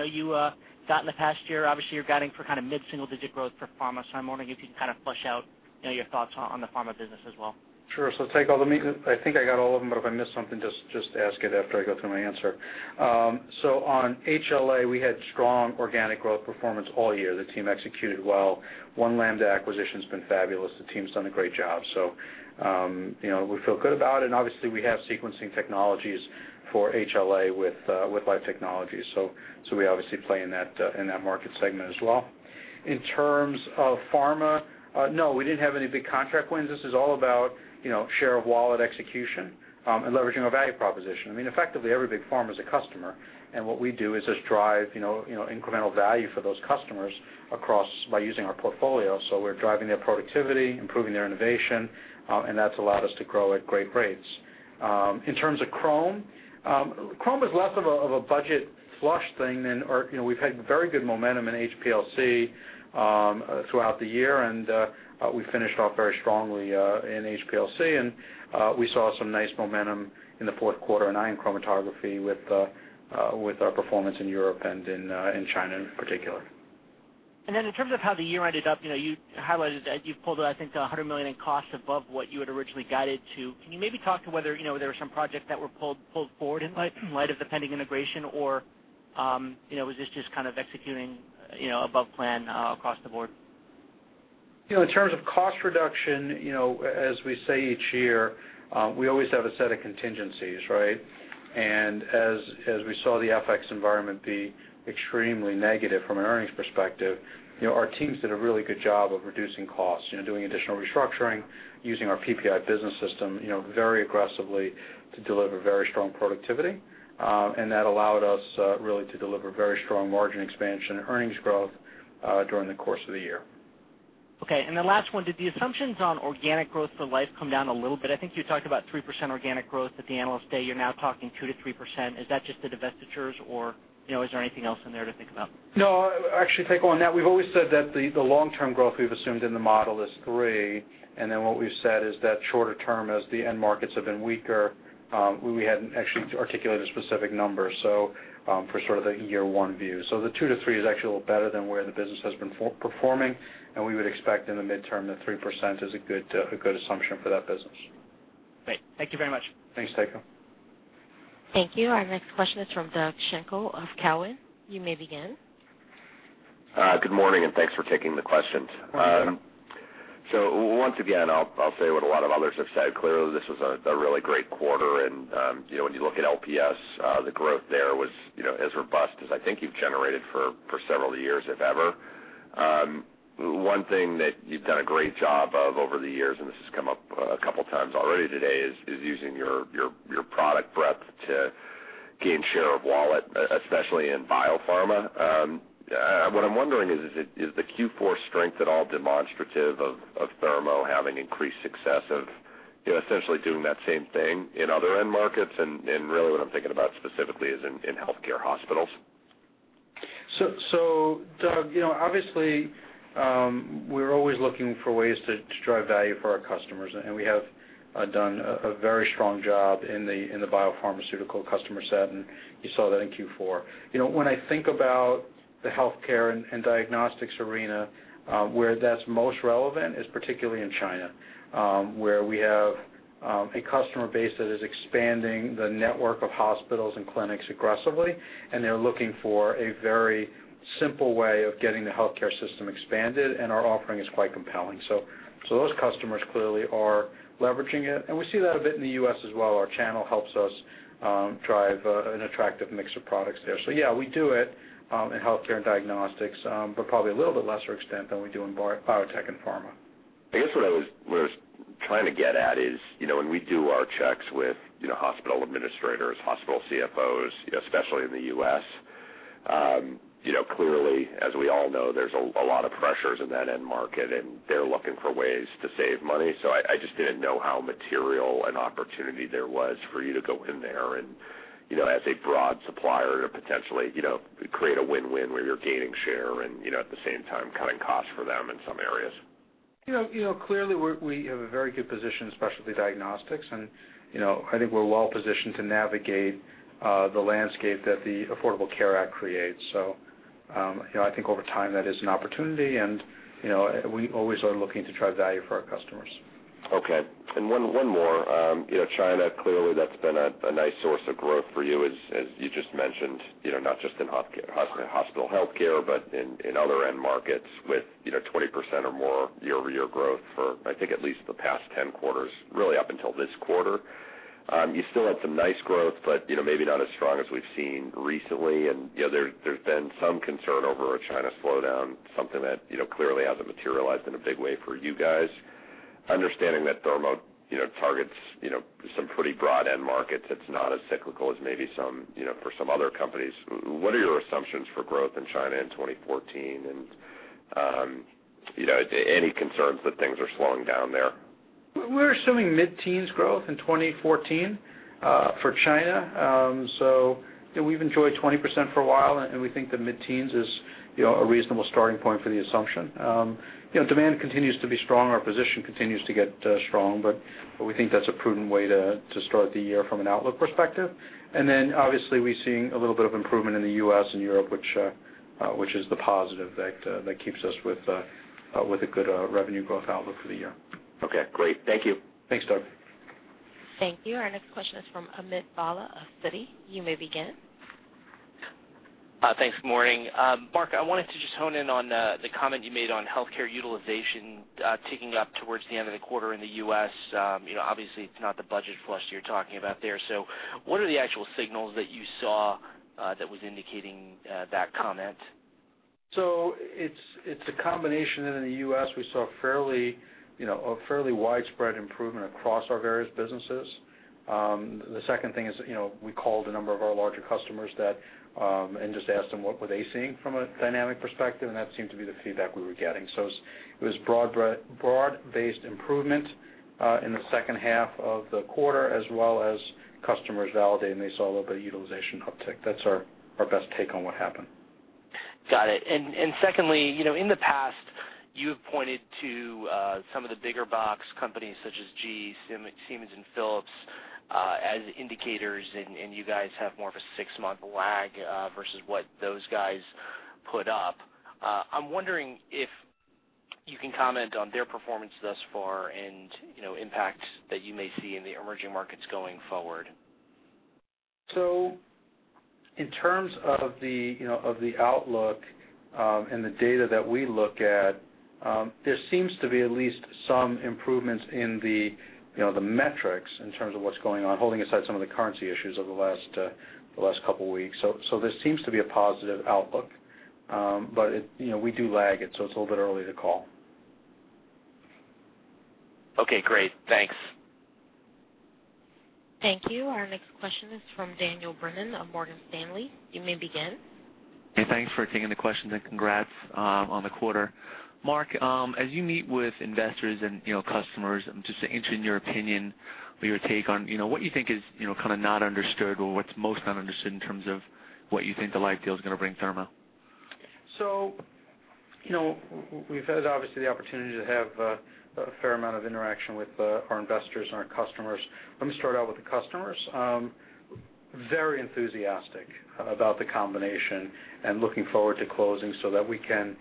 got in the past year? You're guiding for mid-single-digit growth for pharma, so I'm wondering if you can kind of flesh out your thoughts on the pharma business as well. Sure. Tycho, I think I got all of them, but if I miss something, just ask it after I go through my answer. On HLA, we had strong organic growth performance all year. The team executed well. One Lambda acquisition's been fabulous. The team's done a great job. We feel good about it, and obviously we have sequencing technologies for HLA with Life Technologies. We obviously play in that market segment as well. In terms of pharma, no, we didn't have any big contract wins. This is all about share of wallet execution and leveraging our value proposition. Effectively, every big pharma is a customer, and what we do is just drive incremental value for those customers by using our portfolio. We're driving their productivity, improving their innovation, and that's allowed us to grow at great rates. In terms of chrome is less of a budget flush thing than we've had very good momentum in HPLC throughout the year, and we finished off very strongly in HPLC, and we saw some nice momentum in the fourth quarter in ion chromatography with our performance in Europe and in China in particular. In terms of how the year ended up, you highlighted that you pulled, I think, $100 million in costs above what you had originally guided to. Can you maybe talk to whether there were some projects that were pulled forward in light of the pending integration, or was this just kind of executing above plan across the board? In terms of cost reduction, as we say each year, we always have a set of contingencies, right? As we saw the FX environment be extremely negative from an earnings perspective, our teams did a really good job of reducing costs, doing additional restructuring, using our PPI business system very aggressively to deliver very strong productivity. That allowed us really to deliver very strong margin expansion and earnings growth during the course of the year. Okay, the last one, did the assumptions on organic growth for Life come down a little bit? I think you talked about 3% organic growth at the Analyst Day. You're now talking 2%-3%. Is that just the divestitures, or is there anything else in there to think about? No, actually, Tycho, on that, we've always said that the long-term growth we've assumed in the model is 3%. What we've said is that shorter term, as the end markets have been weaker, we hadn't actually articulated a specific number for sort of the year 1 view. The 2%-3% is actually a little better than where the business has been performing, and we would expect in the mid-term that 3% is a good assumption for that business. Great. Thank you very much. Thanks, Tycho. Thank you. Our next question is from Doug Schenkel of Cowen. You may begin. Good morning. Thanks for taking the questions. You bet. Once again, I'll say what a lot of others have said. Clearly, this was a really great quarter, and when you look at LPS, the growth there was as robust as I think you've generated for several years, if ever. One thing that you've done a great job of over the years, and this has come up a couple times already today, is using your product breadth to gain share of wallet, especially in biopharma. What I'm wondering is the Q4 strength at all demonstrative of Thermo having increased success of essentially doing that same thing in other end markets? Really what I'm thinking about specifically is in healthcare hospitals. Doug, obviously, we're always looking for ways to drive value for our customers, and we have done a very strong job in the biopharmaceutical customer set, and you saw that in Q4. When I think about the healthcare and diagnostics arena, where that's most relevant is particularly in China, where we have a customer base that is expanding the network of hospitals and clinics aggressively, and they're looking for a very simple way of getting the healthcare system expanded, and our offering is quite compelling. Those customers clearly are leveraging it, and we see that a bit in the U.S. as well. Our channel helps us drive an attractive mix of products there. Yeah, we do it in healthcare and diagnostics, but probably a little bit lesser extent than we do in biotech and pharma. I guess what I was trying to get at is, when we do our checks with hospital administrators, hospital CFOs, especially in the U.S., clearly, as we all know, there's a lot of pressures in that end market, and they're looking for ways to save money. I just didn't know how material an opportunity there was for you to go in there and, as a broad supplier, to potentially create a win-win where you're gaining share and at the same time cutting costs for them in some areas. Clearly, we have a very good position, especially diagnostics, and I think we're well positioned to navigate the landscape that the Affordable Care Act creates. I think over time, that is an opportunity, and we always are looking to drive value for our customers. Okay. One more. China, clearly, that's been a nice source of growth for you, as you just mentioned, not just in hospital healthcare, but in other end markets with 20% or more year-over-year growth for, I think, at least the past 10 quarters, really up until this quarter. You still had some nice growth, but maybe not as strong as we've seen recently. There's been some concern over a China slowdown, something that clearly hasn't materialized in a big way for you guys. Understanding that Thermo Fisher targets some pretty broad end markets, it's not as cyclical as maybe for some other companies. What are your assumptions for growth in China in 2014? Any concerns that things are slowing down there? We're assuming mid-teens growth in 2014 for China. We've enjoyed 20% for a while, and we think the mid-teens is a reasonable starting point for the assumption. Demand continues to be strong. Our position continues to get strong, but we think that's a prudent way to start the year from an outlook perspective. Obviously, we're seeing a little bit of improvement in the U.S. and Europe, which is the positive that keeps us with a good revenue growth outlook for the year. Okay, great. Thank you. Thanks, Doug. Thank you. Our next question is from Amit Bhalla of Citi. You may begin. Thanks, morning. Marc, I wanted to just hone in on the comment you made on healthcare utilization ticking up towards the end of the quarter in the U.S. Obviously, it's not the budget flush you're talking about there. What are the actual signals that you saw that was indicating that comment? It's a combination. In the U.S., we saw a fairly widespread improvement across our various businesses. The second thing is we called a number of our larger customers and just asked them what were they seeing from a dynamic perspective, and that seemed to be the feedback we were getting. It was broad-based improvement in the second half of the quarter, as well as customers validating they saw a little bit of utilization uptick. That's our best take on what happened. Got it. Secondly, in the past, you have pointed to some of the bigger box companies such as GE, Siemens, and Philips as indicators. You guys have more of a 6-month lag versus what those guys put up. I'm wondering if you can comment on their performance thus far and impacts that you may see in the emerging markets going forward. In terms of the outlook and the data that we look at, there seems to be at least some improvements in the metrics in terms of what's going on, holding aside some of the currency issues over the last couple of weeks. There seems to be a positive outlook. We do lag it, so it's a little bit early to call. Okay, great. Thanks. Thank you. Our next question is from Daniel Brennan of Morgan Stanley. You may begin. Thanks for taking the question. Congrats on the quarter. Marc, as you meet with investors and customers, I'm just interested in your opinion or your take on what you think is not understood or what's most not understood in terms of what you think the Life deal is going to bring Thermo. We've had, obviously, the opportunity to have a fair amount of interaction with our investors and our customers. Let me start out with the customers. Very enthusiastic about the combination. Looking forward to closing so that we can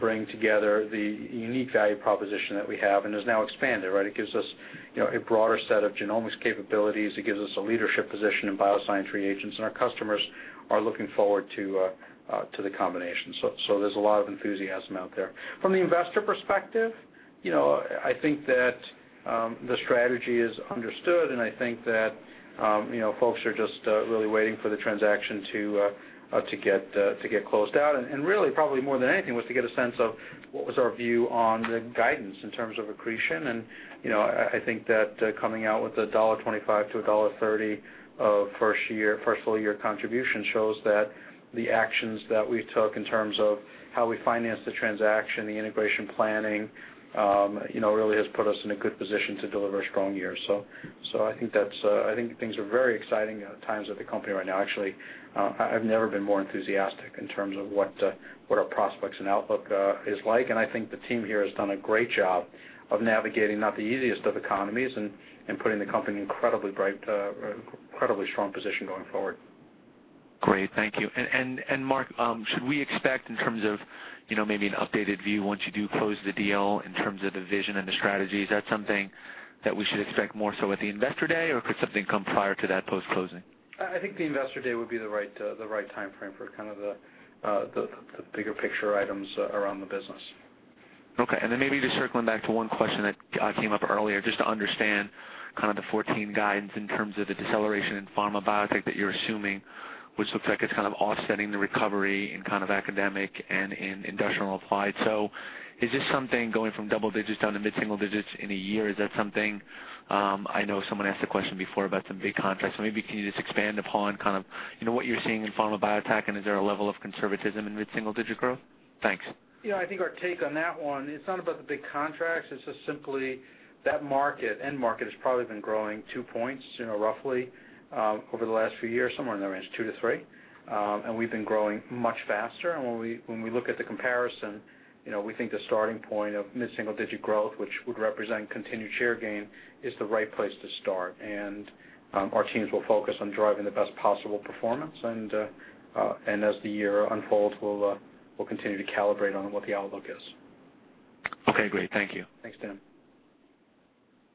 bring together the unique value proposition that we have and is now expanded. It gives us a broader set of genomics capabilities. It gives us a leadership position in bioscience reagents. Our customers are looking forward to the combination. There's a lot of enthusiasm out there. From the investor perspective, I think that the strategy is understood. I think that folks are just really waiting for the transaction to get closed out. Really, probably more than anything, was to get a sense of what was our view on the guidance in terms of accretion. I think that coming out with a $1.25-$1.30 of first full year contribution shows that the actions that we took in terms of how we finance the transaction, the integration planning really has put us in a good position to deliver a strong year. I think things are very exciting times at the company right now. Actually, I've never been more enthusiastic in terms of what our prospects and outlook is like. I think the team here has done a great job of navigating not the easiest of economies and putting the company in incredibly strong position going forward. Thank you. Marc, should we expect in terms of maybe an updated view once you do close the deal in terms of the vision and the strategy? Is that something that we should expect more so at the Investor Day, or could something come prior to that post-closing? I think the Investor Day would be the right time frame for the bigger picture items around the business. Okay. Maybe just circling back to one question that came up earlier, just to understand the 2014 guidance in terms of the deceleration in pharma biotech that you're assuming, which looks like it's offsetting the recovery in academic and in industrial applied. Is this something going from double-digits down to mid-single-digits in a year? Is that something, I know someone asked a question before about some big contracts, maybe can you just expand upon what you're seeing in pharma biotech, and is there a level of conservatism in mid-single-digit growth? Thanks. I think our take on that one, it's not about the big contracts. It's just simply that end market has probably been growing 2 points roughly over the last few years, somewhere in the range of 2 to 3, and we've been growing much faster. When we look at the comparison, we think the starting point of mid-single-digit growth, which would represent continued share gain, is the right place to start. Our teams will focus on driving the best possible performance, and as the year unfolds, we'll continue to calibrate on what the outlook is. Okay, great. Thank you. Thanks, Dan. Thank you.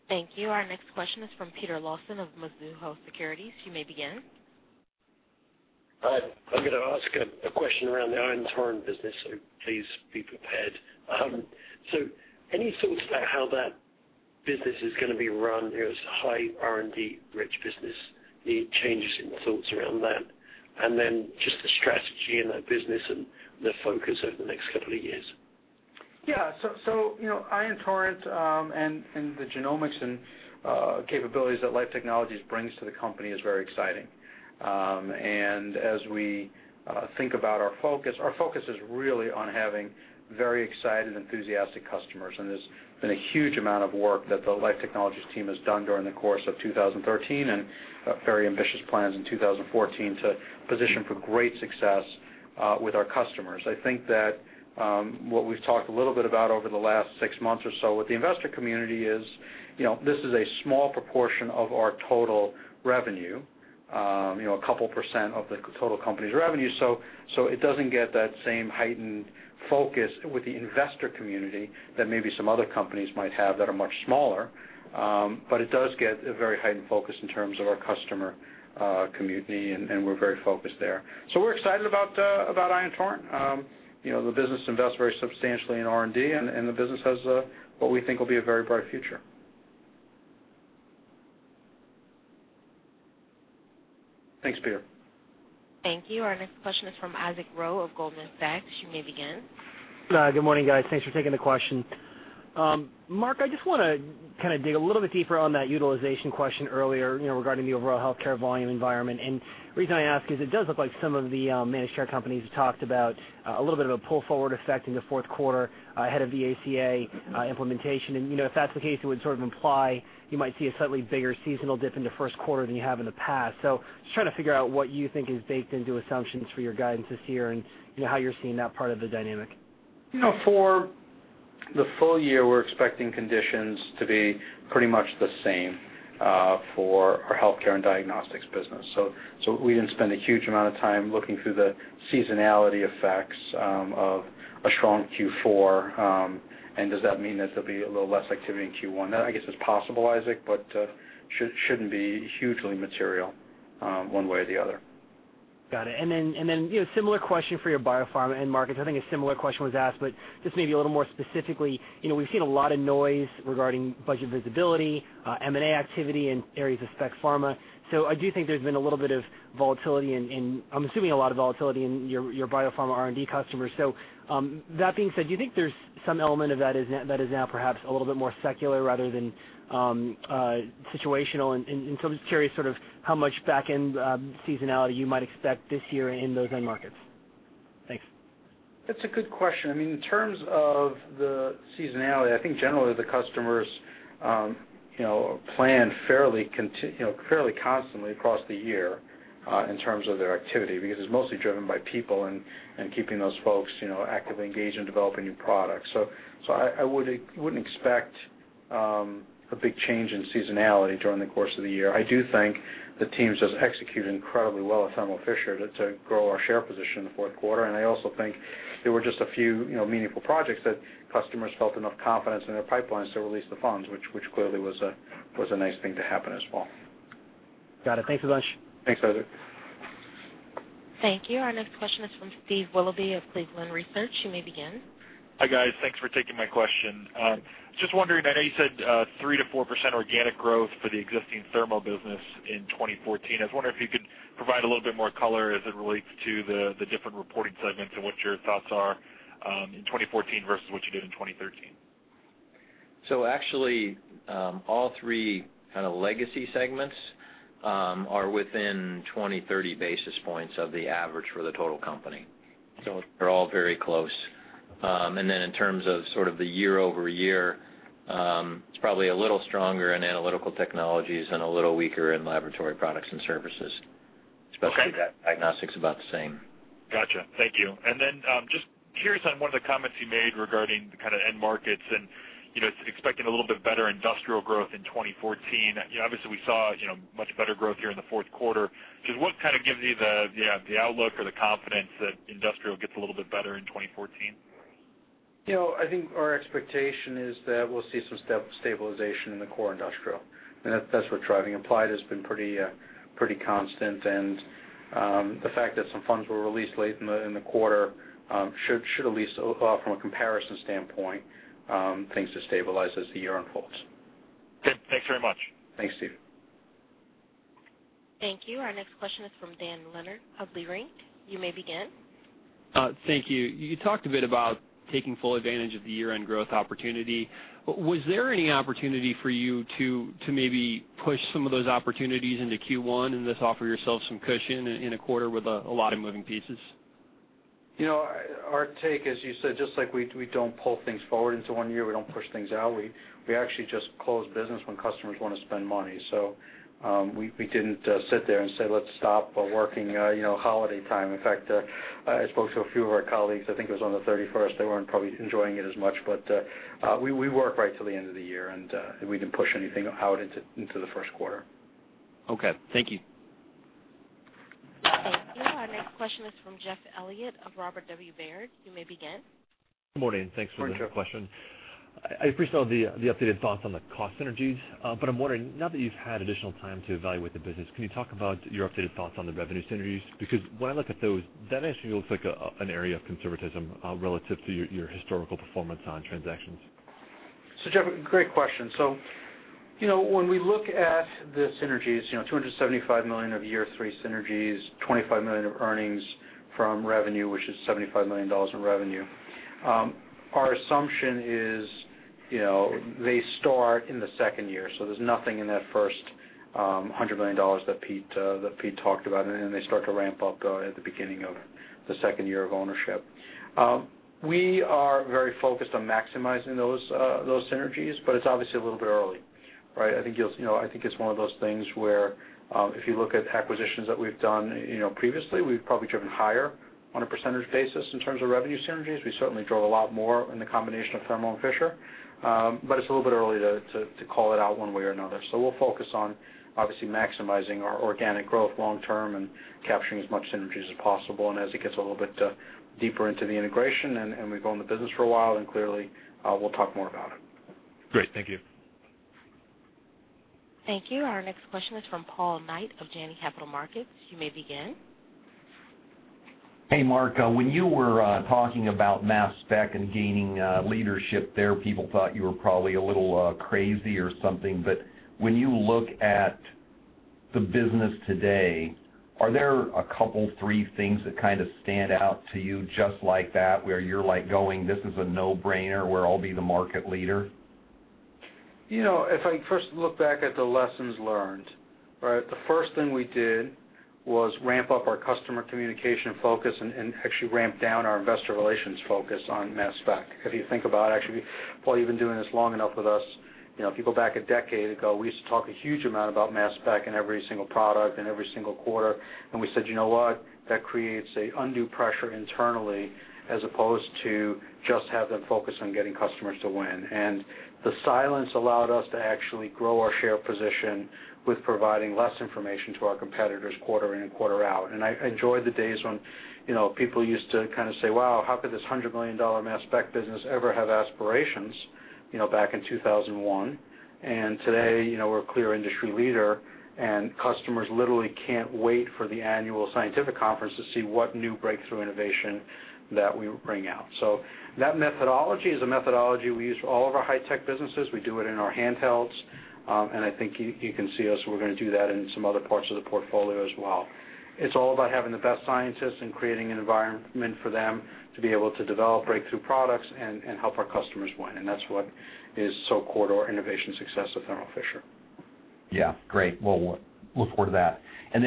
Our next question is from Peter Lawson of Mizuho Securities. You may begin. Hi. I'm going to ask a question around the Ion Torrent business, please be prepared. Any thoughts about how that business is going to be run? It's a high R&D rich business. Any changes in thoughts around that? Just the strategy in that business and the focus over the next couple of years. Ion Torrent, and the genomics and capabilities that Life Technologies brings to the company is very exciting. As we think about our focus, our focus is really on having very excited, enthusiastic customers, and there's been a huge amount of work that the Life Technologies team has done during the course of 2013, and very ambitious plans in 2014 to position for great success with our customers. I think that what we've talked a little bit about over the last six months or so with the investor community is, this is a small proportion of our total revenue, a couple % of the total company's revenue. It doesn't get that same heightened focus with the investor community that maybe some other companies might have that are much smaller. It does get a very heightened focus in terms of our customer community, and we're very focused there. We're excited about Ion Torrent. The business invests very substantially in R&D, and the business has what we think will be a very bright future. Thanks, Peter. Thank you. Our next question is from Isaac Ro of Goldman Sachs. You may begin. Good morning, guys. Thanks for taking the question. Marc, I just want to dig a little bit deeper on that utilization question earlier regarding the overall healthcare volume environment. The reason I ask is it does look like some of the managed care companies have talked about a little bit of a pull-forward effect in the fourth quarter ahead of the ACA implementation. If that's the case, it would imply you might see a slightly bigger seasonal dip in the first quarter than you have in the past. Just trying to figure out what you think is baked into assumptions for your guidance this year and how you're seeing that part of the dynamic. For the full year, we're expecting conditions to be pretty much the same for our healthcare and diagnostics business. We didn't spend a huge amount of time looking through the seasonality effects of a strong Q4, and does that mean that there'll be a little less activity in Q1? I guess it's possible, Isaac, but shouldn't be hugely material one way or the other. Got it. Similar question for your biopharma end markets. I think a similar question was asked, but just maybe a little more specifically. We've seen a lot of noise regarding budget visibility, M&A activity in areas of spec pharma. I do think there's been a little bit of volatility in, I'm assuming a lot of volatility in your biopharma R&D customers. That being said, do you think there's some element of that is now perhaps a little bit more secular rather than situational? I'm just curious sort of how much back-end seasonality you might expect this year in those end markets. Thanks. That's a good question. In terms of the seasonality, I think generally the customers plan fairly constantly across the year in terms of their activity, because it's mostly driven by people and keeping those folks actively engaged in developing new products. I wouldn't expect a big change in seasonality during the course of the year. I do think the teams just executed incredibly well at Thermo Fisher to grow our share position in the fourth quarter. I also think there were just a few meaningful projects that customers felt enough confidence in their pipelines to release the funds, which clearly was a nice thing to happen as well. Got it. Thanks a bunch. Thanks, Isaac. Thank you. Our next question is from Steve Willoughby of Cleveland Research. You may begin. Hi, guys. Thanks for taking my question. Just wondering, I know you said 3%-4% organic growth for the existing Thermo business in 2014. I was wondering if you could provide a little bit more color as it relates to the different reporting segments and what your thoughts are in 2014 versus what you did in 2013. Actually, all three legacy segments are within 20, 30 basis points of the average for the total company. They're all very close. In terms of the year-over-year, it's probably a little stronger in Analytical Technologies and a little weaker in Laboratory Products and Services. Okay. Specialty Diagnostics, about the same. Got you. Thank you. Just curious on one of the comments you made regarding the end markets and expecting a little bit better industrial growth in 2014. Obviously, we saw much better growth here in the fourth quarter. Just what gives you the outlook or the confidence that industrial gets a little bit better in 2014? I think our expectation is that we'll see some stabilization in the core industrial, and that's what's driving. Applied has been pretty constant. The fact that some funds were released late in the quarter should at least, from a comparison standpoint, things to stabilize as the year unfolds. Good. Thanks very much. Thanks, Steve. Thank you. Our next question is from Dan Leonard of Leerink Partners. You may begin. Thank you. You talked a bit about taking full advantage of the year-end growth opportunity. Was there any opportunity for you to maybe push some of those opportunities into Q1 and thus offer yourself some cushion in a quarter with a lot of moving pieces? Our take, as you said, just like we don't pull things forward into one year, we don't push things out. We actually just close business when customers want to spend money. We didn't sit there and say, "Let's stop working holiday time." In fact, I spoke to a few of our colleagues, I think it was on the 31st. They weren't probably enjoying it as much, we work right to the end of the year, and we didn't push anything out into the first quarter. Okay. Thank you. Our next question is from Jeff Elliott of Robert W. Baird. You may begin. Good morning. Thanks for the question. Morning, Jeff. I appreciate all the updated thoughts on the cost synergies, but I'm wondering, now that you've had additional time to evaluate the business, can you talk about your updated thoughts on the revenue synergies? Because when I look at those, that actually looks like an area of conservatism relative to your historical performance on transactions. Jeff, great question. When we look at the synergies, $275 million of year three synergies, $25 million of earnings from revenue, which is $75 million in revenue, our assumption is they start in the second year. There's nothing in that first $100 million that Pete talked about. They start to ramp up at the beginning of the second year of ownership. We are very focused on maximizing those synergies, but it's obviously a little bit early, right? I think it's one of those things where if you look at acquisitions that we've done previously, we've probably driven higher on a percentage basis in terms of revenue synergies. We certainly drove a lot more in the combination of Thermo and Fisher. It's a little bit early to call it out one way or another. We'll focus on, obviously, maximizing our organic growth long term and capturing as much synergies as possible. As it gets a little bit deeper into the integration and, we've own the business for a while, clearly, we'll talk more about it. Great. Thank you. Thank you. Our next question is from Paul Knight of Janney Montgomery Scott. You may begin. Hey, Marc. When you were talking about mass spec and gaining leadership there, people thought you were probably a little crazy or something. When you look at the business today, are there a couple, three things that kind of stand out to you just like that, where you're going, "This is a no-brainer where I'll be the market leader? If I first look back at the lessons learned, right, the first thing we did was ramp up our customer communication focus and actually ramp down our investor relations focus on mass spec. If you think about, actually, Paul, you've been doing this long enough with us. If you go back a decade ago, we used to talk a huge amount about mass spec in every single product and every single quarter, and we said, "You know what? That creates an undue pressure internally as opposed to just have them focus on getting customers to win." The silence allowed us to actually grow our share position with providing less information to our competitors quarter in and quarter out. I enjoy the days when people used to kind of say, "Wow, how could this $100 million mass spec business ever have aspirations?" Back in 2001. Today, we're a clear industry leader, and customers literally can't wait for the annual scientific conference to see what new breakthrough innovation that we bring out. That methodology is a methodology we use for all of our high-tech businesses. We do it in our handhelds, and I think you can see us, we're going to do that in some other parts of the portfolio as well. It's all about having the best scientists and creating an environment for them to be able to develop breakthrough products and help our customers win. That's what is so core to our innovation success with Thermo Fisher. Yeah. Great. Well, look forward to that.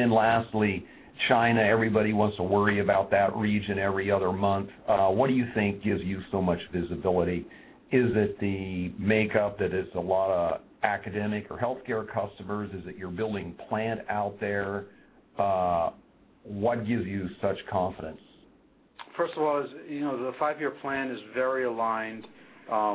Lastly, China, everybody wants to worry about that region every other month. What do you think gives you so much visibility? Is it the makeup that is a lot of academic or healthcare customers? Is it you're building plant out there? What gives you such confidence? First of all, the five-year plan is very aligned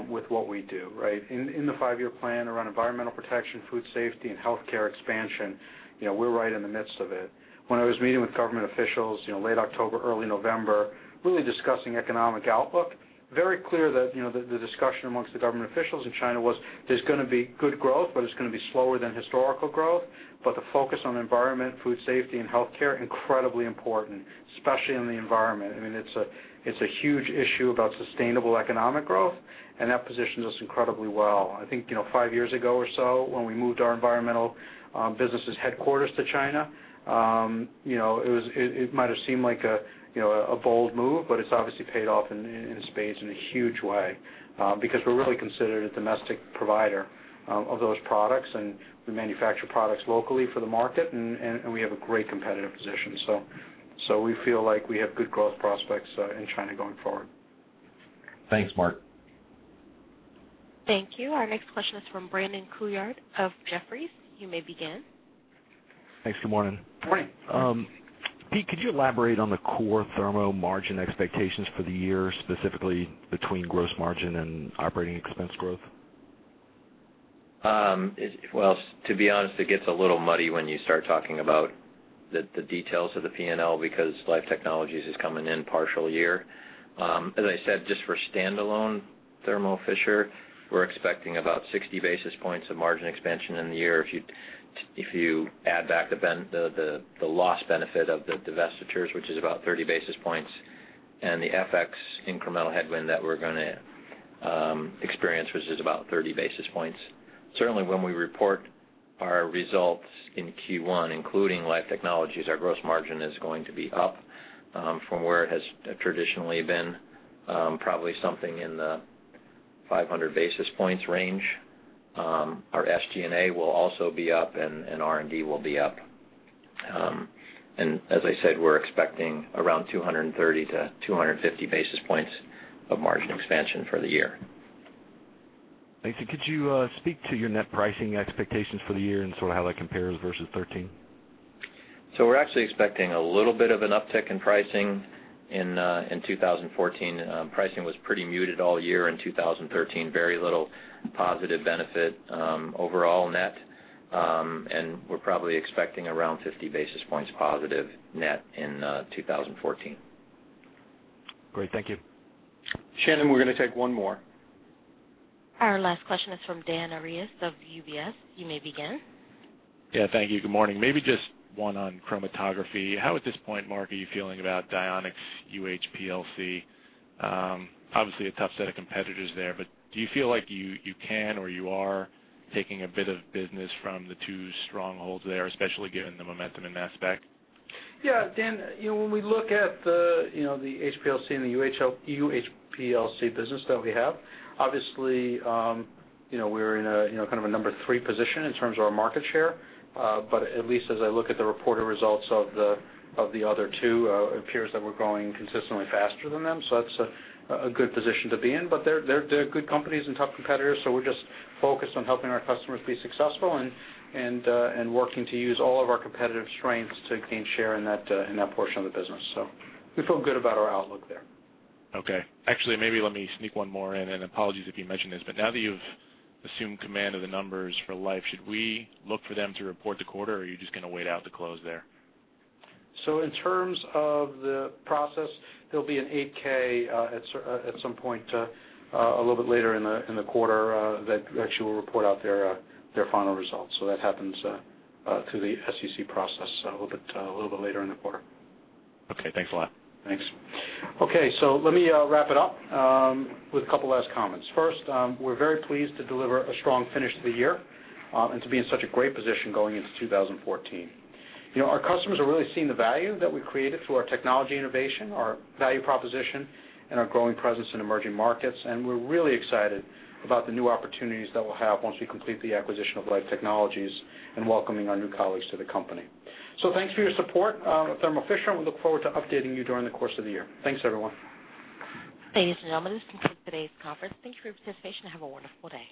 with what we do, right? In the five-year plan around environmental protection, food safety, and healthcare expansion, we're right in the midst of it. When I was meeting with government officials late October, early November, really discussing economic outlook, very clear that the discussion amongst the government officials in China was there's going to be good growth, but it's going to be slower than historical growth. The focus on environment, food safety, and healthcare, incredibly important, especially on the environment. I mean, it's a huge issue about sustainable economic growth, and that positions us incredibly well. I think five years ago or so, when we moved our environmental businesses headquarters to China, it might've seemed like a bold move, but it's obviously paid off in spades in a huge way, because we're really considered a domestic provider of those products, and we manufacture products locally for the market, and we have a great competitive position. We feel like we have good growth prospects in China going forward. Thanks, Marc. Thank you. Our next question is from Brandon Couillard of Jefferies. You may begin. Thanks. Good morning. Morning. Pete, could you elaborate on the core Thermo margin expectations for the year, specifically between gross margin and operating expense growth? Well, to be honest, it gets a little muddy when you start talking about the details of the P&L because Life Technologies is coming in partial year. As I said, just for standalone Thermo Fisher, we're expecting about 60 basis points of margin expansion in the year if you add back the loss benefit of the divestitures, which is about 30 basis points, and the FX incremental headwind that we're going to experience, which is about 30 basis points. Certainly, when we report our results in Q1, including Life Technologies, our gross margin is going to be up from where it has traditionally been, probably something in the 500 basis points range. Our SG&A will also be up, and R&D will be up. As I said, we're expecting around 230 to 250 basis points of margin expansion for the year. Thanks. Could you speak to your net pricing expectations for the year and sort of how that compares versus 2013? We're actually expecting a little bit of an uptick in pricing in 2014. Pricing was pretty muted all year in 2013. Very little positive benefit overall net. We're probably expecting around 50 basis points positive net in 2014. Great. Thank you. Shannon, we're going to take one more. Our last question is from Dan Arias of UBS. You may begin. Yeah. Thank you. Good morning. Maybe just one on chromatography. How, at this point, Marc, are you feeling about Dionex UHPLC? Obviously, a tough set of competitors there, but do you feel like you can, or you are taking a bit of business from the two strongholds there, especially given the momentum in Mass Spec? Yeah, Dan, when we look at the HPLC and the UHPLC business that we have, obviously, we're in a number three position in terms of our market share. At least as I look at the reported results of the other two, it appears that we're growing consistently faster than them. That's a good position to be in. They're good companies and tough competitors, so we're just focused on helping our customers be successful and working to use all of our competitive strengths to gain share in that portion of the business. We feel good about our outlook there. Okay. Actually, maybe let me sneak one more in, and apologies if you mentioned this, but now that you've assumed command of the numbers for Life, should we look for them to report the quarter, or are you just going to wait out the close there? In terms of the process, there'll be an 8-K at some point a little bit later in the quarter that you will report out their final results. That happens through the SEC process a little bit later in the quarter. Okay. Thanks a lot. Thanks. Okay, let me wrap it up with a couple last comments. First, we're very pleased to deliver a strong finish to the year and to be in such a great position going into 2014. Our customers are really seeing the value that we created through our technology innovation, our value proposition, and our growing presence in emerging markets, and we're really excited about the new opportunities that we'll have once we complete the acquisition of Life Technologies and welcoming our new colleagues to the company. Thanks for your support of Thermo Fisher. We look forward to updating you during the course of the year. Thanks, everyone. Ladies and gentlemen, this concludes today's conference. Thank you for your participation and have a wonderful day.